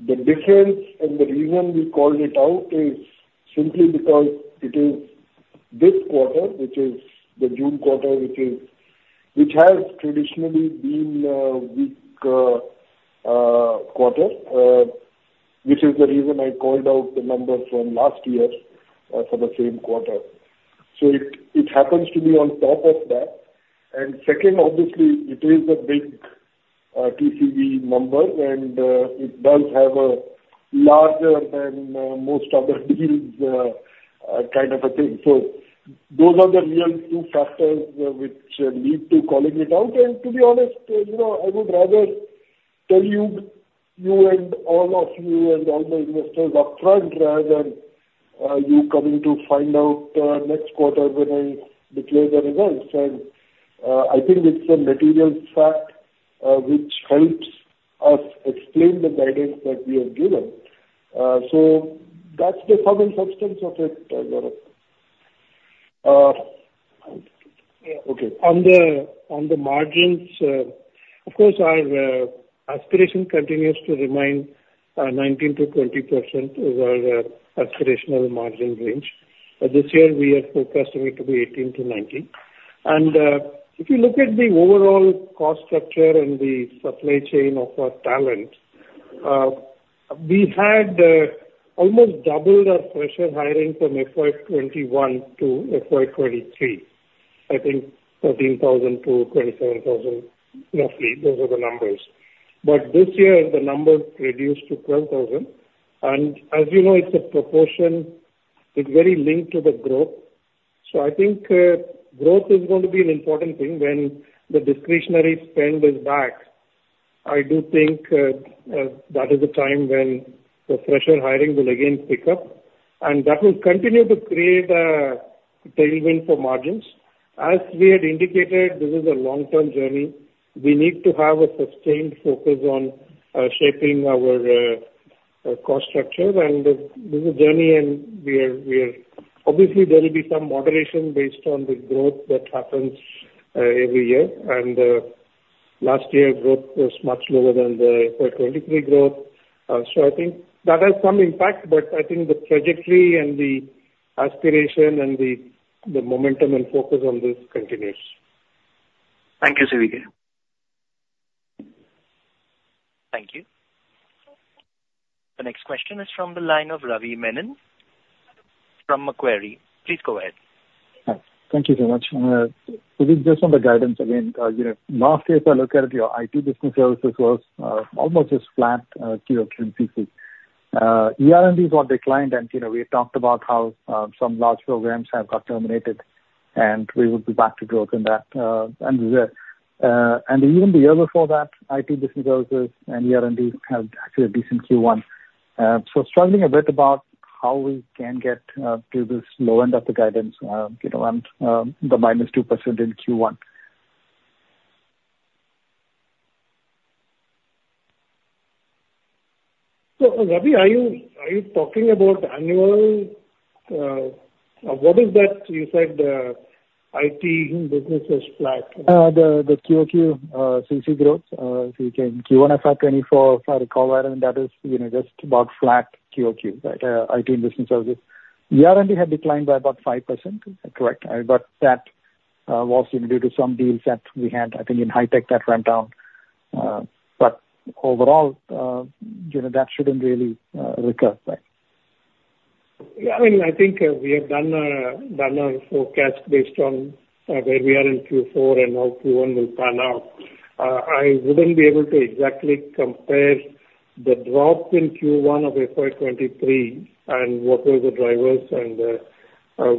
The difference and the reason we called it out is simply because it is this quarter, which is the June quarter, which has traditionally been a weak quarter, which is the reason I called out the numbers from last year for the same quarter. So it happens to be on top of that. And second, obviously, it is a big TCV number, and it does have a larger than most other deals kind of a thing. So those are the real two factors which lead to calling it out. To be honest, you know, I would rather tell you, you and all of you and all the investors upfront, rather than you coming to find out next quarter when I declare the results. I think it's a material fact which helps us explain the guidance that we have given. So that's the sum and substance of it, Gaurav. Okay, on the margins, of course, our aspiration continues to remain 19%-20%, over our aspirational margin range. But this year we are forecasting it to be 18%-19%. If you look at the overall cost structure and the supply chain of our talent, we had almost doubled our fresher hiring from FY 2021 to FY 2023. I think 13,000 to 27,000, roughly, those are the numbers. But this year, the numbers reduced to 12,000. And as you know, it's a proportion, it's very linked to the growth. So I think, growth is going to be an important thing when the discretionary spend is back. I do think, that is the time when the fresher hiring will again pick up, and that will continue to create a tailwind for margins. As we had indicated, this is a long-term journey. We need to have a sustained focus on, shaping our, cost structure. And this is a journey, and we are, we are... Obviously, there will be some moderation based on the growth that happens, every year. And, last year, growth was much lower than the FY 2023 growth. I think that has some impact, but I think the trajectory and the aspiration and the momentum and focus on this continues. Thank you, CVK. Thank you. The next question is from the line of Ravi Menon from Macquarie. Please go ahead. Thank you very much. Just on the guidance again, you know, last year, if I look at your IT business services was almost as flat QOQ CC. ER&D got declined, and, you know, we talked about how some large programs have got terminated, and we will be back to growth in that, and we were. And even the year before that, IT business services and ER&D had actually a decent Q1. So struggling a bit about how we can get to this low end of the guidance, you know, and the -2% in Q1. So, Ravi, are you, are you talking about annual? What is that you said, IT business was flat? The QOQ, CC growth, if you can. Q1 FY 2024, if I recall right, and that is, you know, just about flat QOQ, right, IT business services. ER&D had declined by about 5%. Is that correct? But that was due to some deals that we had, I think, in high tech, that ramped down. But overall, you know, that shouldn't really recur, right? Yeah, I mean, I think we have done a forecast based on where we are in Q4 and how Q1 will pan out. I wouldn't be able to exactly compare the drop in Q1 of FY 2023 and what were the drivers and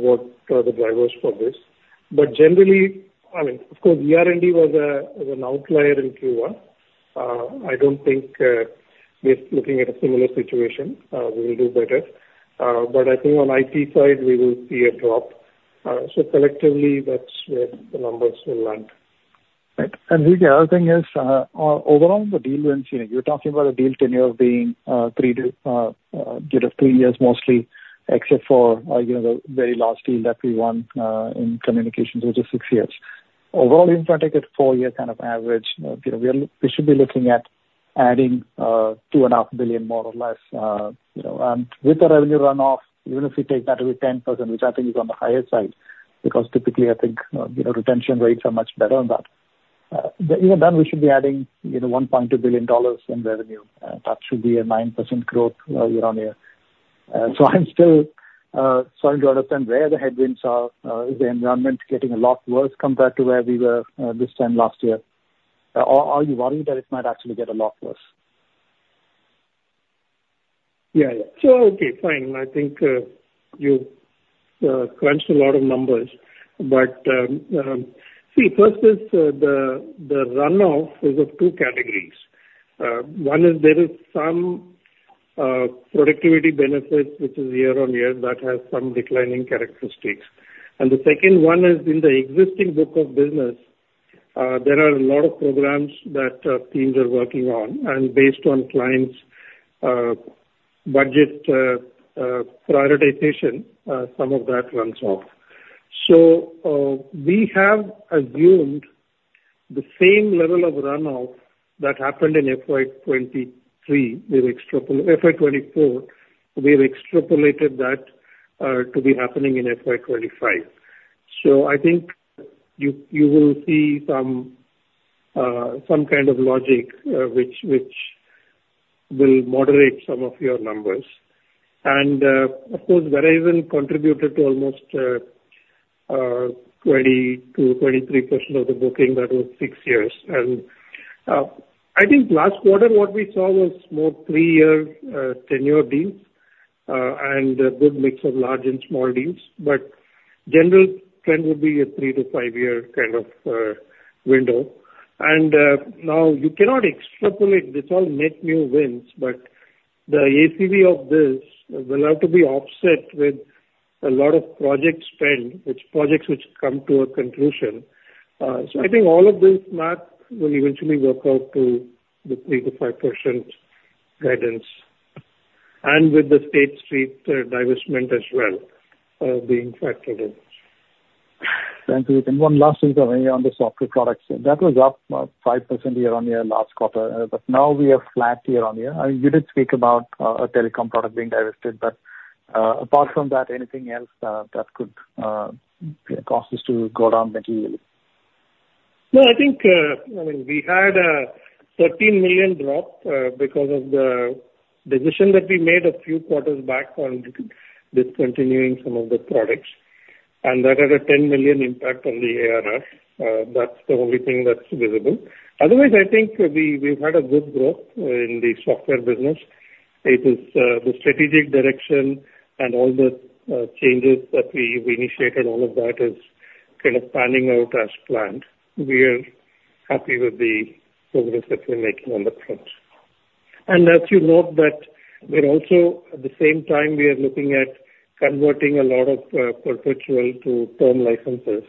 what are the drivers for this. But generally, I mean, of course, ER&D was an outlier in Q1. I don't think with looking at a similar situation we will do better. But I think on IT side, we will see a drop. So collectively, that's where the numbers will land. Right. And the other thing is, overall, the deal tenure, you're talking about the deal tenure being three to three years mostly, except for, you know, the very last deal that we won in communications, which is 6 years. Overall, if I take a 4-year kind of average, you know, we are, we should be looking at adding $2.5 billion, more or less, you know. And with the revenue runoff, even if we take that to be 10%, which I think is on the higher side, because typically, I think, you know, retention rates are much better than that. But even then, we should be adding, you know, $1.2 billion in revenue. That should be a 9% growth year-on-year. I'm still starting to understand where the headwinds are. Is the environment getting a lot worse compared to where we were this time last year? Or are you worried that it might actually get a lot worse? Yeah. So, okay, fine. I think you crunched a lot of numbers, but see, first is the runoff is of two categories. One is there is some productivity benefits, which is year-on-year, that has some declining characteristics. And the second one is in the existing book of business there are a lot of programs that teams are working on, and based on clients' budget prioritization, some of that runs off. So we have assumed the same level of runoff that happened in FY 23, FY 24, we've extrapolated that to be happening in FY 25. So I think you will see some kind of logic which will moderate some of your numbers. Of course, Verizon contributed to almost 20%-23% of the booking. That was 6 years. I think last quarter what we saw was more 3-year ten-year deals and a good mix of large and small deals. But general trend would be a 3-5-year kind of window. Now you cannot extrapolate, it's all net new wins, but the ACV of this will have to be offset with a lot of project spend, which projects come to a conclusion. So I think all of this math will eventually work out to the 3%-5% guidance, and with the State Street divestment as well being factored in. Thank you. And one last thing, on the software products, that was up 5% year-on-year last quarter, but now we are flat year-on-year. You did speak about a telecom product being divested, but apart from that, anything else that could cause this to go down materially? No, I think, I mean, we had a $13 million drop because of the decision that we made a few quarters back on discontinuing some of the products, and that had a $10 million impact on the ARR. That's the only thing that's visible. Otherwise, I think we, we've had a good growth in the software business. It is the strategic direction and all the changes that we, we initiated, all of that is kind of panning out as planned. We are happy with the progress that we're making on that front. And as you note that we're also, at the same time, we are looking at converting a lot of perpetual to term licenses.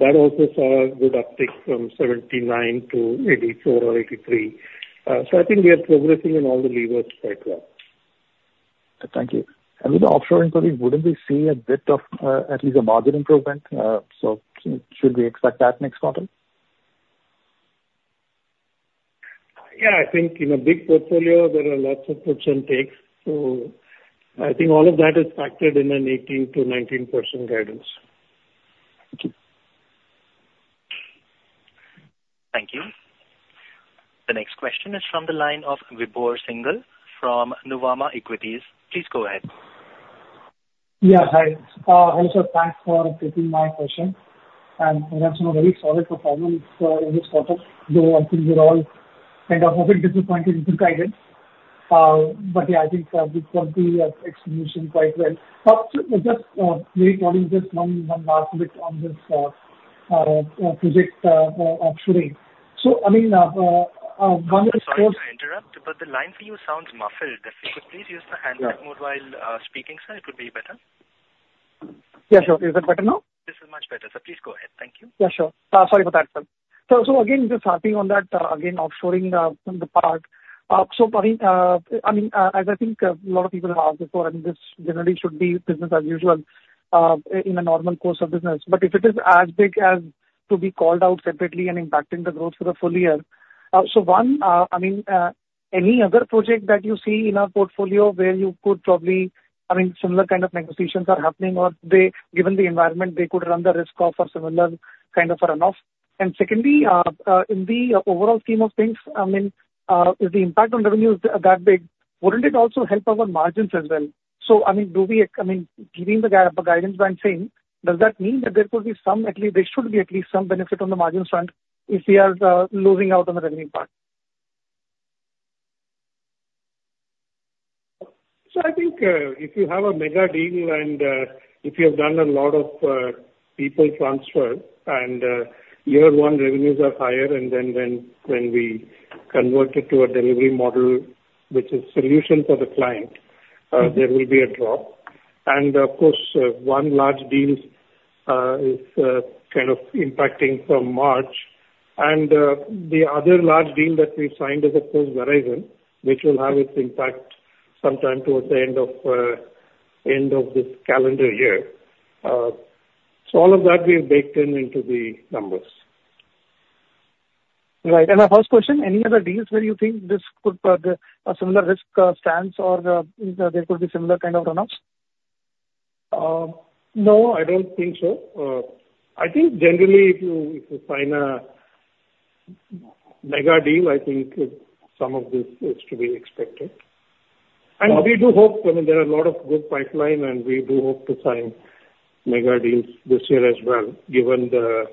That also saw a good uptick from 79% to 84% or 83%. So I think we are progressing on all the levers quite well. Thank you. With the offshoring query, wouldn't we see a bit of, at least, a margin improvement? Should we expect that next quarter? Yeah, I think in a big portfolio, there are lots of gives and takes, so I think all of that is factored in an 18%-19% guidance. Thank you. Thank you. The next question is from the line of Vibhor Singhal from Nuvama Equities. Please go ahead. Yeah, hi. Hello, sir. Thanks for taking my question. And that's a very solid performance in this quarter, though I think we're all kind of a bit disappointed with the guidance. But yeah, I think we execution quite well. But just very quickly, just one last bit on this project offshoring. So, I mean, one is- Sorry to interrupt, but the line for you sounds muffled. If you could please use the handset mode- Yeah. While speaking, sir, it would be better. Yeah, sure. Is that better now? This is much better, sir. Please go ahead. Thank you. Yeah, sure. Sorry about that, sir. So, so again, just harping on that, again, offshoring, the part. So probably, I mean, as I think a lot of people have asked before, and this generally should be business as usual, in a normal course of business. But if it is as big as to be called out separately and impacting the growth for the full year... So one, I mean, any other project that you see in our portfolio where you could probably, I mean, similar kind of negotiations are happening, or they, given the environment, they could run the risk of a similar kind of runoff? And secondly, in the overall scheme of things, I mean, if the impact on revenue is that big, wouldn't it also help our margins as well? So, I mean, do we, I mean, giving the guidance by saying, does that mean that there could be some at least, there should be at least some benefit on the margins front, if we are losing out on the revenue part? So I think, if you have a mega deal and, if you have done a lot of, people transfer and, year one revenues are higher and then when we convert it to a delivery model, which is solution for the client, there will be a drop. And of course, one large deals is kind of impacting from March. And, the other large deal that we've signed is, of course, Verizon, which will have its impact sometime towards the end of end of this calendar year. So all of that we have baked in into the numbers. Right. And my first question, any other deals where you think this could, a similar risk, stands or, there could be similar kind of runoffs? No, I don't think so. I think generally, if you sign a mega deal, I think some of this is to be expected. Okay. And we do hope, I mean, there are a lot of good pipeline, and we do hope to sign mega deals this year as well, given the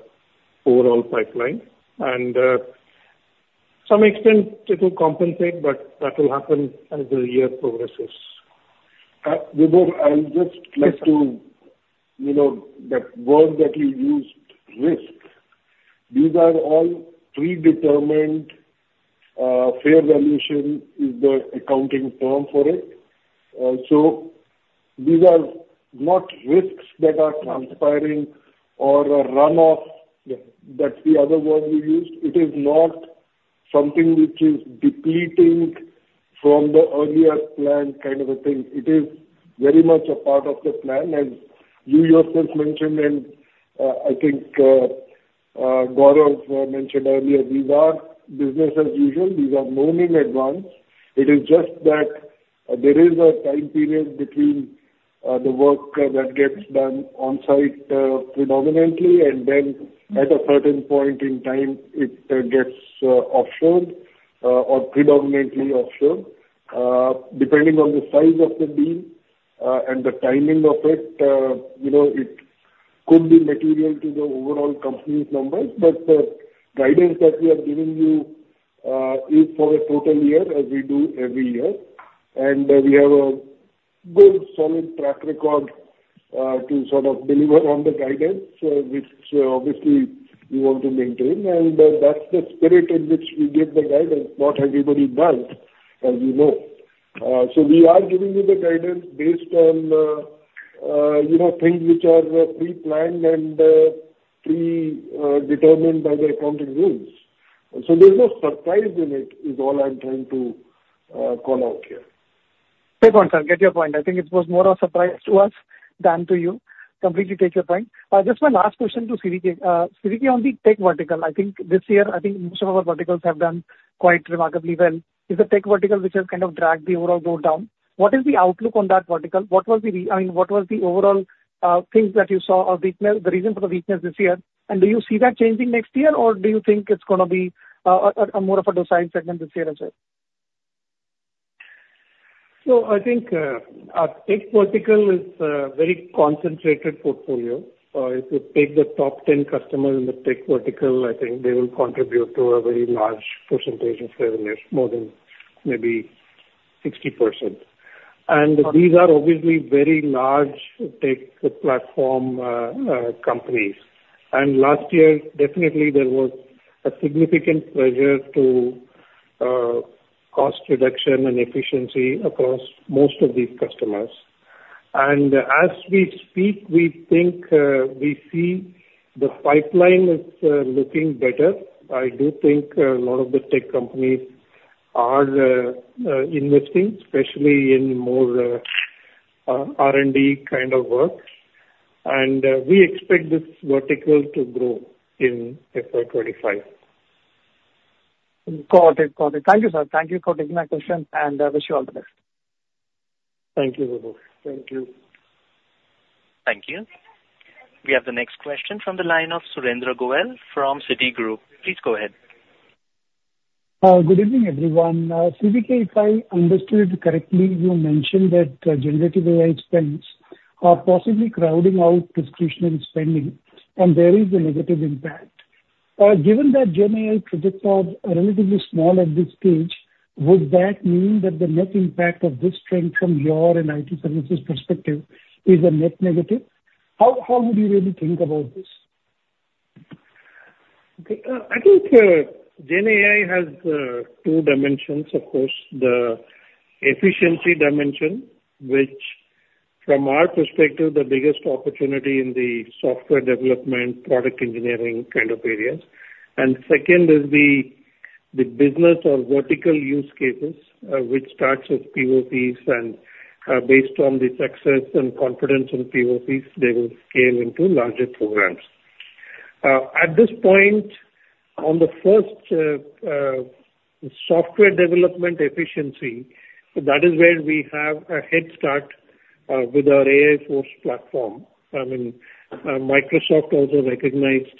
overall pipeline. And, some extent it will compensate, but that will happen as the year progresses. Vibhor, I would just like to, you know, that word that you used, risk. These are all predetermined- Fair valuation is the accounting term for it. So these are not risks that are transpiring or a run-off, that's the other word we use. It is not something which is depleting from the earlier plan kind of a thing. It is very much a part of the plan, as you yourself mentioned, and, I think, Gaurav mentioned earlier, these are business as usual. These are known in advance. It is just that there is a time period between, the work that gets done on site, predominantly, and then at a certain point in time, it, gets offshored, or predominantly offshore. Depending on the size of the deal, and the timing of it, you know, it could be material to the overall company's numbers. But the guidance that we are giving you is for a total year, as we do every year. And we have a good solid track record to sort of deliver on the guidance, which obviously we want to maintain. And that's the spirit in which we give the guidance, not everybody does, as you know. So we are giving you the guidance based on, you know, things which are pre-planned and predetermined by the accounting rules. So there's no surprise in it, is all I'm trying to call out here. Take your point, sir. Get your point. I think it was more a surprise to us than to you. Completely take your point. Just my last question to CVK. CVK, on the tech vertical, I think this year, I think most of our verticals have done quite remarkably well. It's the tech vertical which has kind of dragged the overall growth down. What is the outlook on that vertical? What was the re- I mean, what was the overall things that you saw or weakness, the reason for the weakness this year? And do you see that changing next year, or do you think it's gonna be a more of a drag segment this year as well? So I think, our tech vertical is a very concentrated portfolio. If you take the top 10 customers in the tech vertical, I think they will contribute to a very large percentage of revenues, more than maybe 60%. And these are obviously very large tech platform, companies. And last year, definitely there was a significant pressure to, cost reduction and efficiency across most of these customers. And as we speak, we think, we see the pipeline is, looking better. I do think a lot of the tech companies are, investing, especially in more, R&D kind of work. And, we expect this vertical to grow in FY 2025. Got it. Got it. Thank you, sir. Thank you for taking my question, and wish you all the best. Thank you, Vibhav. Thank you. Thank you. We have the next question from the line of Surendra Goyal from Citigroup. Please go ahead. Good evening, everyone. CVK, if I understood correctly, you mentioned that generative AI spends are possibly crowding out traditional spending, and there is a negative impact. Given that GenAI projects are relatively small at this stage, would that mean that the net impact of this trend from your and IT services perspective is a net negative? How would you really think about this? I think GenAI has two dimensions, of course: the efficiency dimension, which from our perspective, the biggest opportunity in the software development, product engineering kind of areas. And second is the business or vertical use cases, which starts with PoCs and, based on the success and confidence in PoCs, they will scale into larger programs. At this point, on the first, software development efficiency, that is where we have a head start with our AI Force platform. I mean, Microsoft also recognized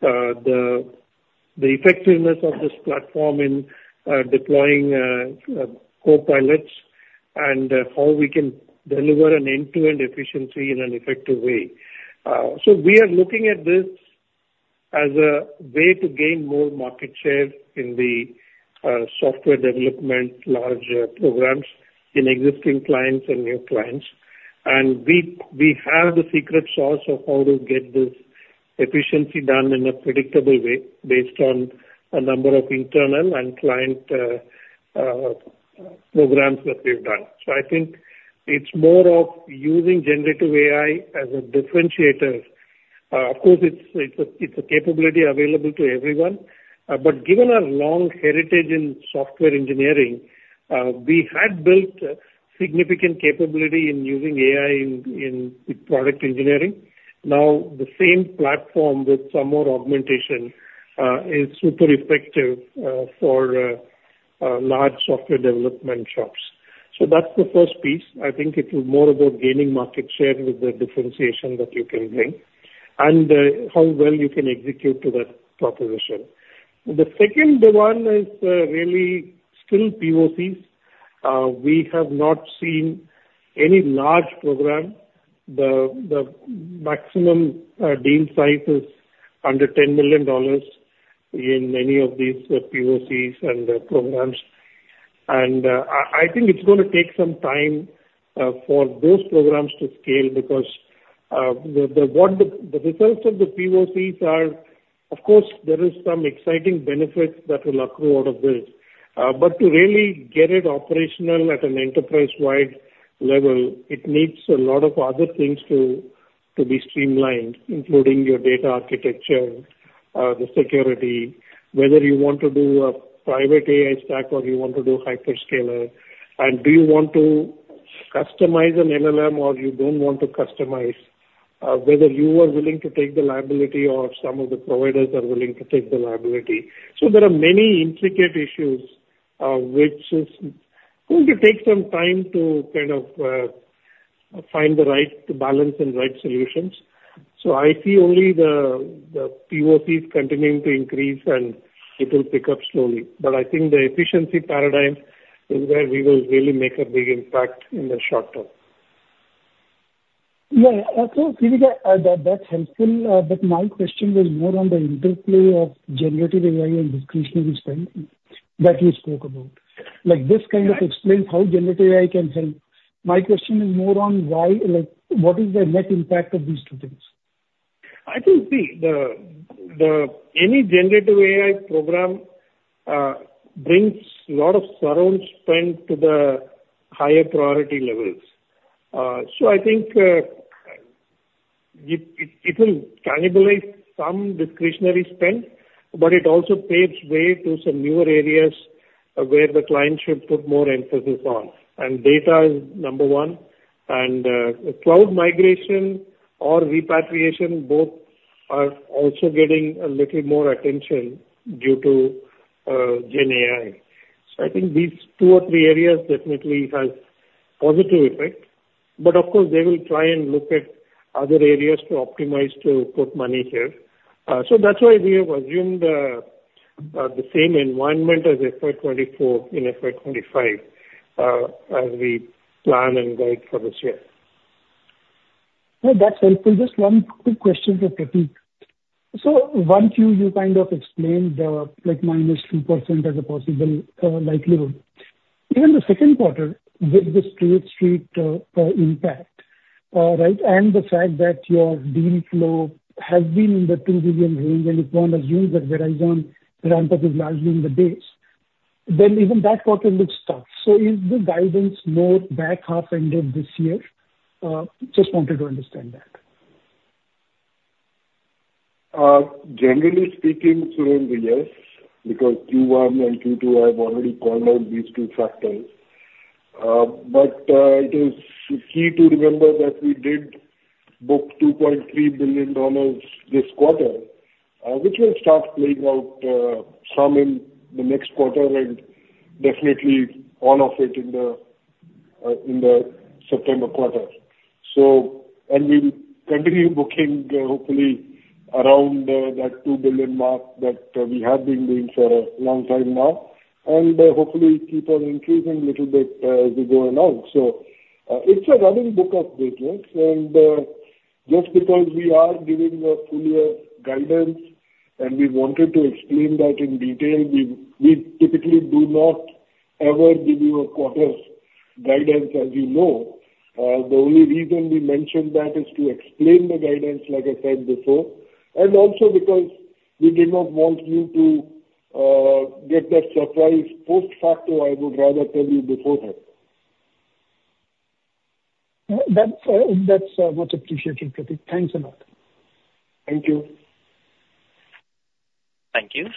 the effectiveness of this platform in deploying Copilots, and how we can deliver an end-to-end efficiency in an effective way. So we are looking at this as a way to gain more market share in the software development large programs in existing clients and new clients. We have the secret sauce of how to get this efficiency done in a predictable way, based on a number of internal and client programs that we've done. So I think it's more of using generative AI as a differentiator. Of course, it's a capability available to everyone. But given our long heritage in software engineering, we had built significant capability in using AI in product engineering. Now, the same platform with some more augmentation is super effective for large software development shops. So that's the first piece. I think it is more about gaining market share with the differentiation that you can bring and how well you can execute to that proposition. The second one is really still POCs. We have not seen any large program. The maximum deal size is under $10 million in any of these POCs and programs. And I think it's gonna take some time for those programs to scale because the results of the POCs are, of course, there is some exciting benefits that will accrue out of this. But to really get it operational at an enterprise-wide level, it needs a lot of other things to be streamlined, including your data architecture, the security, whether you want to do a private AI stack or you want to do hyperscaler, and do you want to customize an LLM or you don't want to customize? Whether you are willing to take the liability or some of the providers are willing to take the liability. So there are many intricate issues, which is going to take some time to kind of, find the right balance and right solutions. So I see only the POCs continuing to increase, and it will pick up slowly. But I think the efficiency paradigm is where we will really make a big impact in the short term. Yeah, so, Prateek, that that's helpful. But my question was more on the interplay of generative AI and discretionary spend that you spoke about. Like, this kind of explains how generative AI can help. My question is more on why, like, what is the net impact of these two things? I think, see, any generative AI program brings a lot of surround spend to the higher priority levels. So I think it will cannibalize some discretionary spend, but it also paves way to some newer areas where the client should put more emphasis on. And data is number one, and cloud migration or repatriation, both are also getting a little more attention due to GenAI. So I think these two or three areas definitely has positive effect, but of course, they will try and look at other areas to optimize to put money here. So that's why we have assumed the same environment as FY 2024 and FY 2025 as we plan and guide for this year. No, that's helpful. Just one quick question for Prateek. So Q1, you kind of explained the, like, minus 2% as a possible likelihood. Even the second quarter with the State Street impact, right? And the fact that your deal flow has been in the $2 billion range, and if one assumes that Verizon ramp-up is largely in the base, then even that quarter looks tough. So is the guidance more back half ended this year? Just wanted to understand that. Generally speaking, Surendra, yes, because Q1 and Q2 have already called out these two factors. But, it is key to remember that we did book $2.3 billion this quarter, which will start playing out, some in the next quarter, and definitely all of it in the September quarter. So, and we'll continue booking, hopefully around that $2 billion mark that we have been doing for a long time now, and hopefully keep on increasing little bit, as we go along. So, it's a running book of business, and just because we are giving a full year guidance, and we wanted to explain that in detail, we typically do not ever give you a quarter's guidance, as you know. The only reason we mentioned that is to explain the guidance, like I said before, and also because we did not want you to get that surprise post-facto. I would rather tell you beforehand. That's much appreciated, Prateek. Thanks a lot. Thank you. Thank you.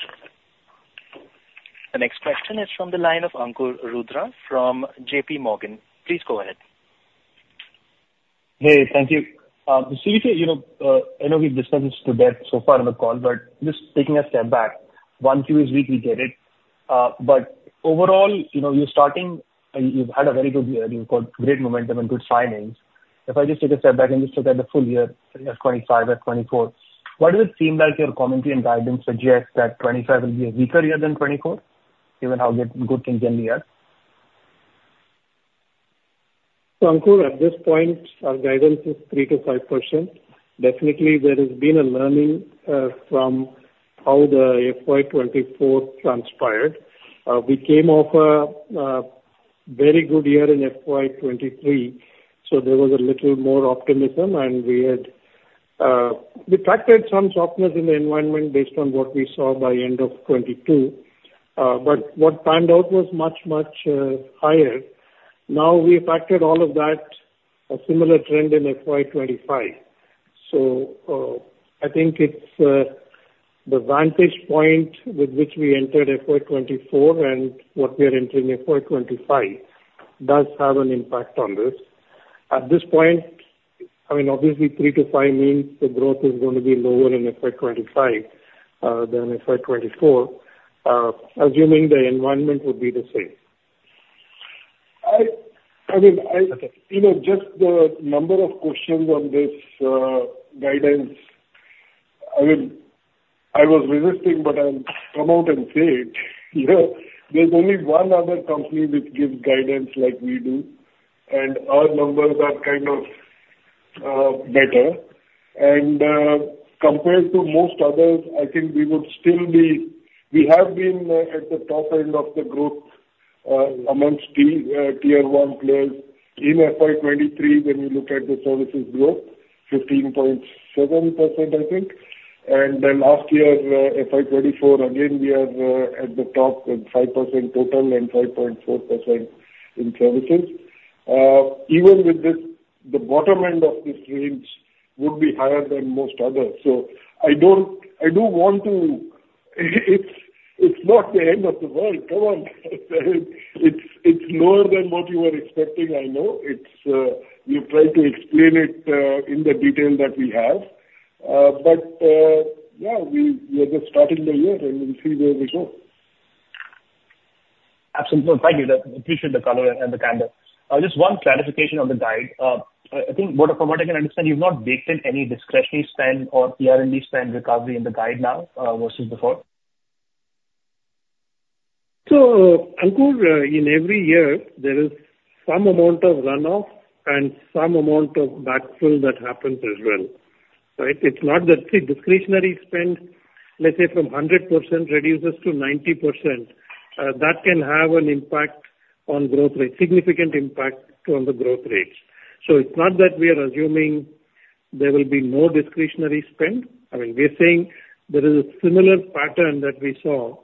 The next question is from the line of Ankur Rudra, from J.P. Morgan. Please go ahead. Hey, thank you. So you say, you know, I know we've discussed this to death so far in the call, but just taking a step back, 1Q is weak, we get it. But overall, you know, you're starting, and you've had a very good year. You've got great momentum and good signings. If I just take a step back and just look at the full year, FY 2025, FY 2024, why does it seem like your commentary and guidance suggests that 2025 will be a weaker year than 2024, given how good, good things end the year? So Ankur, at this point, our guidance is 3%-5%. Definitely, there has been a learning from how the FY 2024 transpired. We came off a very good year in FY 2023, so there was a little more optimism, and we factored some softness in the environment based on what we saw by end of 2022. But what panned out was much, much higher. Now, we factored all of that, a similar trend in FY 2025. So, I think it's the vantage point with which we entered FY 2024 and what we are entering FY 2025 does have an impact on this. At this point, I mean, obviously, 3%-5% means the growth is gonna be lower in FY 2025 than FY 2024, assuming the environment will be the same. I mean Okay. You know, just the number of questions on this, guidance, I mean, I was resisting, but I'll come out and say it. You know, there's only one other company which gives guidance like we do, and our numbers are kind of-... better. And, compared to most others, I think we would still be- we have been, at the top end of the growth, amongst the, tier one players in FY 2023, when you look at the services growth, 15.7%, I think. And then last year, FY 2024, again, we are, at the top, at 5% total and 5.4% in services. Even with this, the bottom end of this range would be higher than most others. So I don't, I don't want to it's, it's not the end of the world. Come on! It's, it's lower than what you were expecting, I know. It's, we'll try to explain it, in the detail that we have. But, yeah, we- we are just starting the year, and we'll see where we go. Absolutely. Thank you. Appreciate the color and the candor. Just one clarification on the guide. I think from what I can understand, you've not baked in any discretionary spend or R&D spend recovery in the guide now, versus before? So, Ankur, in every year there is some amount of runoff and some amount of backfill that happens as well, right? It's not that, see, discretionary spend, let's say from 100% reduces to 90%, that can have an impact on growth rate, significant impact on the growth rates. So it's not that we are assuming there will be no discretionary spend. I mean, we are saying there is a similar pattern that we saw.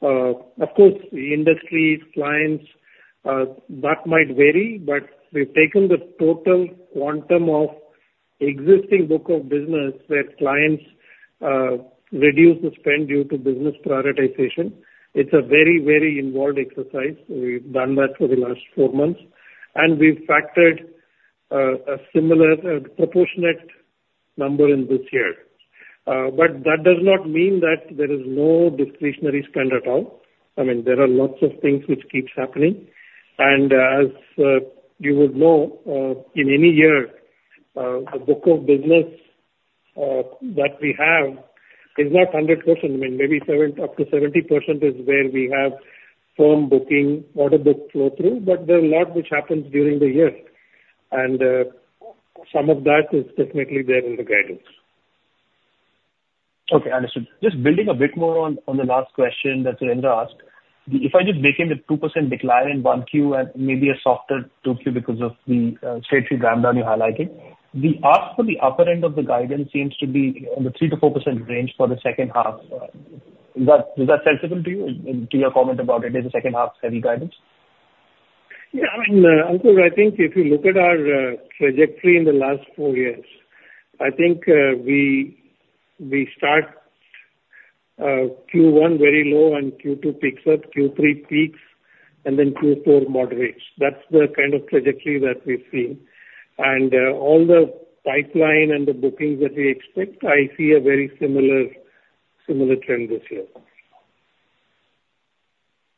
Of course, the industry clients, that might vary, but we've taken the total quantum of existing book of business where clients, reduce the spend due to business prioritization. It's a very, very involved exercise. We've done that for the last four months, and we've factored, a similar, proportionate number in this year. But that does not mean that there is no discretionary spend at all. I mean, there are lots of things which keeps happening. And, as you would know, in any year, the book of business that we have is not 100%. I mean, maybe 70, up to 70% is where we have firm booking, order book flow through, but there are a lot which happens during the year. And, some of that is definitely there in the guidance. Okay, understood. Just building a bit more on the last question that Surendra asked. If I just bake in the 2% decline in 1Q and maybe a softer 2Q because of the State Street ramp down you're highlighting, the math for the upper end of the guidance seems to be on the 3%-4% range for the second half. Is that sensible to you? And can you comment about it, is the second half heavy guidance? Yeah, I mean, Ankur, I think if you look at our trajectory in the last four years, I think we start Q1 very low and Q2 picks up, Q3 peaks, and then Q4 moderates. That's the kind of trajectory that we've seen. And all the pipeline and the bookings that we expect, I see a very similar, similar trend this year.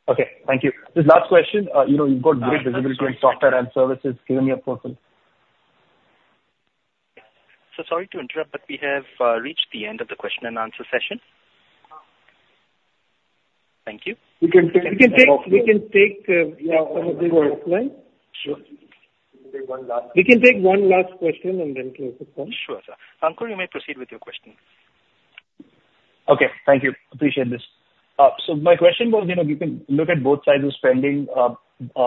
Okay, thank you. Just last question. You know, you've got great visibility in software and services given your portfolio. So sorry to interrupt, but we have reached the end of the question and answer session. Thank you. We can take one last question and then close the call. Sure, sir. Ankur, you may proceed with your question. Okay. Thank you. Appreciate this. So my question was, you know, you can look at both sides of spending, a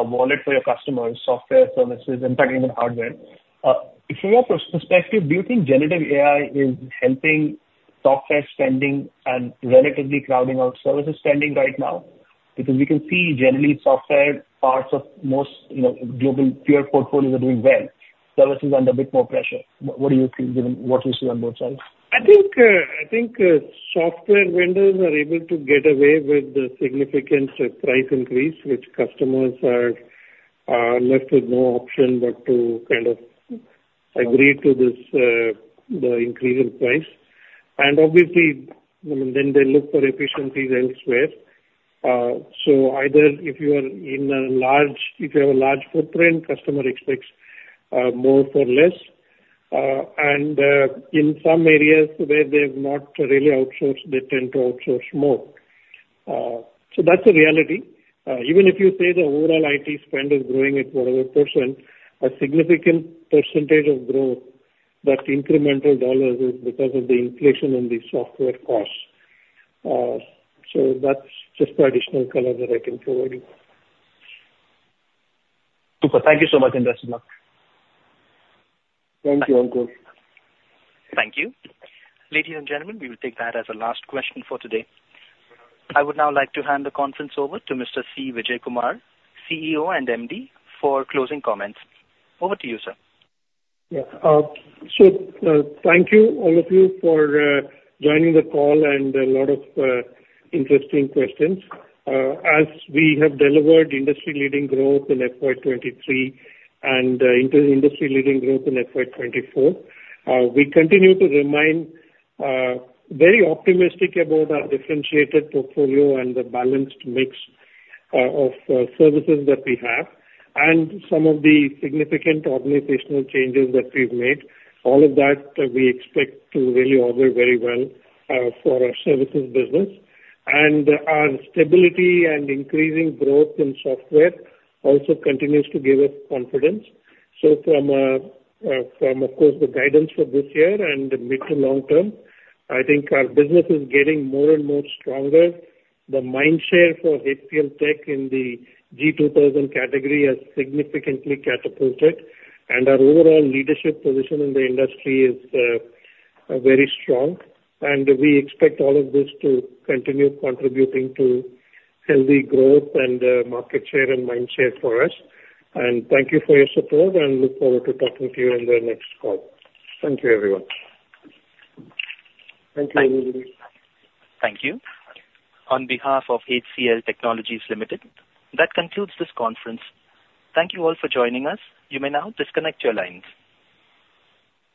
wallet for your customers, software, services, and even hardware. From your perspective, do you think generative AI is helping software spending and relatively crowding out services spending right now? Because we can see generally software parts of most, you know, global peer portfolios are doing well. Services under a bit more pressure. What do you see, given what you see on both sides? I think software vendors are able to get away with the significant price increase, which customers are left with no option but to kind of agree to this, the increase in price. And obviously, I mean, then they look for efficiencies elsewhere. So either if you are in a large, if you have a large footprint, customer expects more for less. And in some areas where they've not really outsourced, they tend to outsource more. So that's the reality. Even if you say the overall IT spend is growing at whatever percent, a significant percentage of growth, that incremental dollars is because of the inflation in the software costs. So that's just additional color that I can provide you. Super. Thank you so much, and best of luck. Thank you, Ankur. Thank you. Ladies and gentlemen, we will take that as a last question for today. I would now like to hand the conference over to Mr. C. Vijayakumar, CEO and MD, for closing comments. Over to you, sir. Yeah. So, thank you, all of you, for joining the call, and a lot of interesting questions. As we have delivered industry-leading growth in FY 2023 and industry-leading growth in FY 2024, we continue to remain very optimistic about our differentiated portfolio and the balanced mix of services that we have, and some of the significant organizational changes that we've made. All of that, we expect to really offer very well for our services business. Our stability and increasing growth in software also continues to give us confidence. From, of course, the guidance for this year and the mid to long term, I think our business is getting more and more stronger. The mind share for HCLTech in the G2000 category has significantly catapulted, and our overall leadership position in the industry is very strong. We expect all of this to continue contributing to healthy growth and market share and mind share for us. Thank you for your support and look forward to talking to you on the next call. Thank you, everyone. Thank you, everybody. Thank you. On behalf of HCL Technologies Limited, that concludes this conference. Thank you all for joining us. You may now disconnect your lines.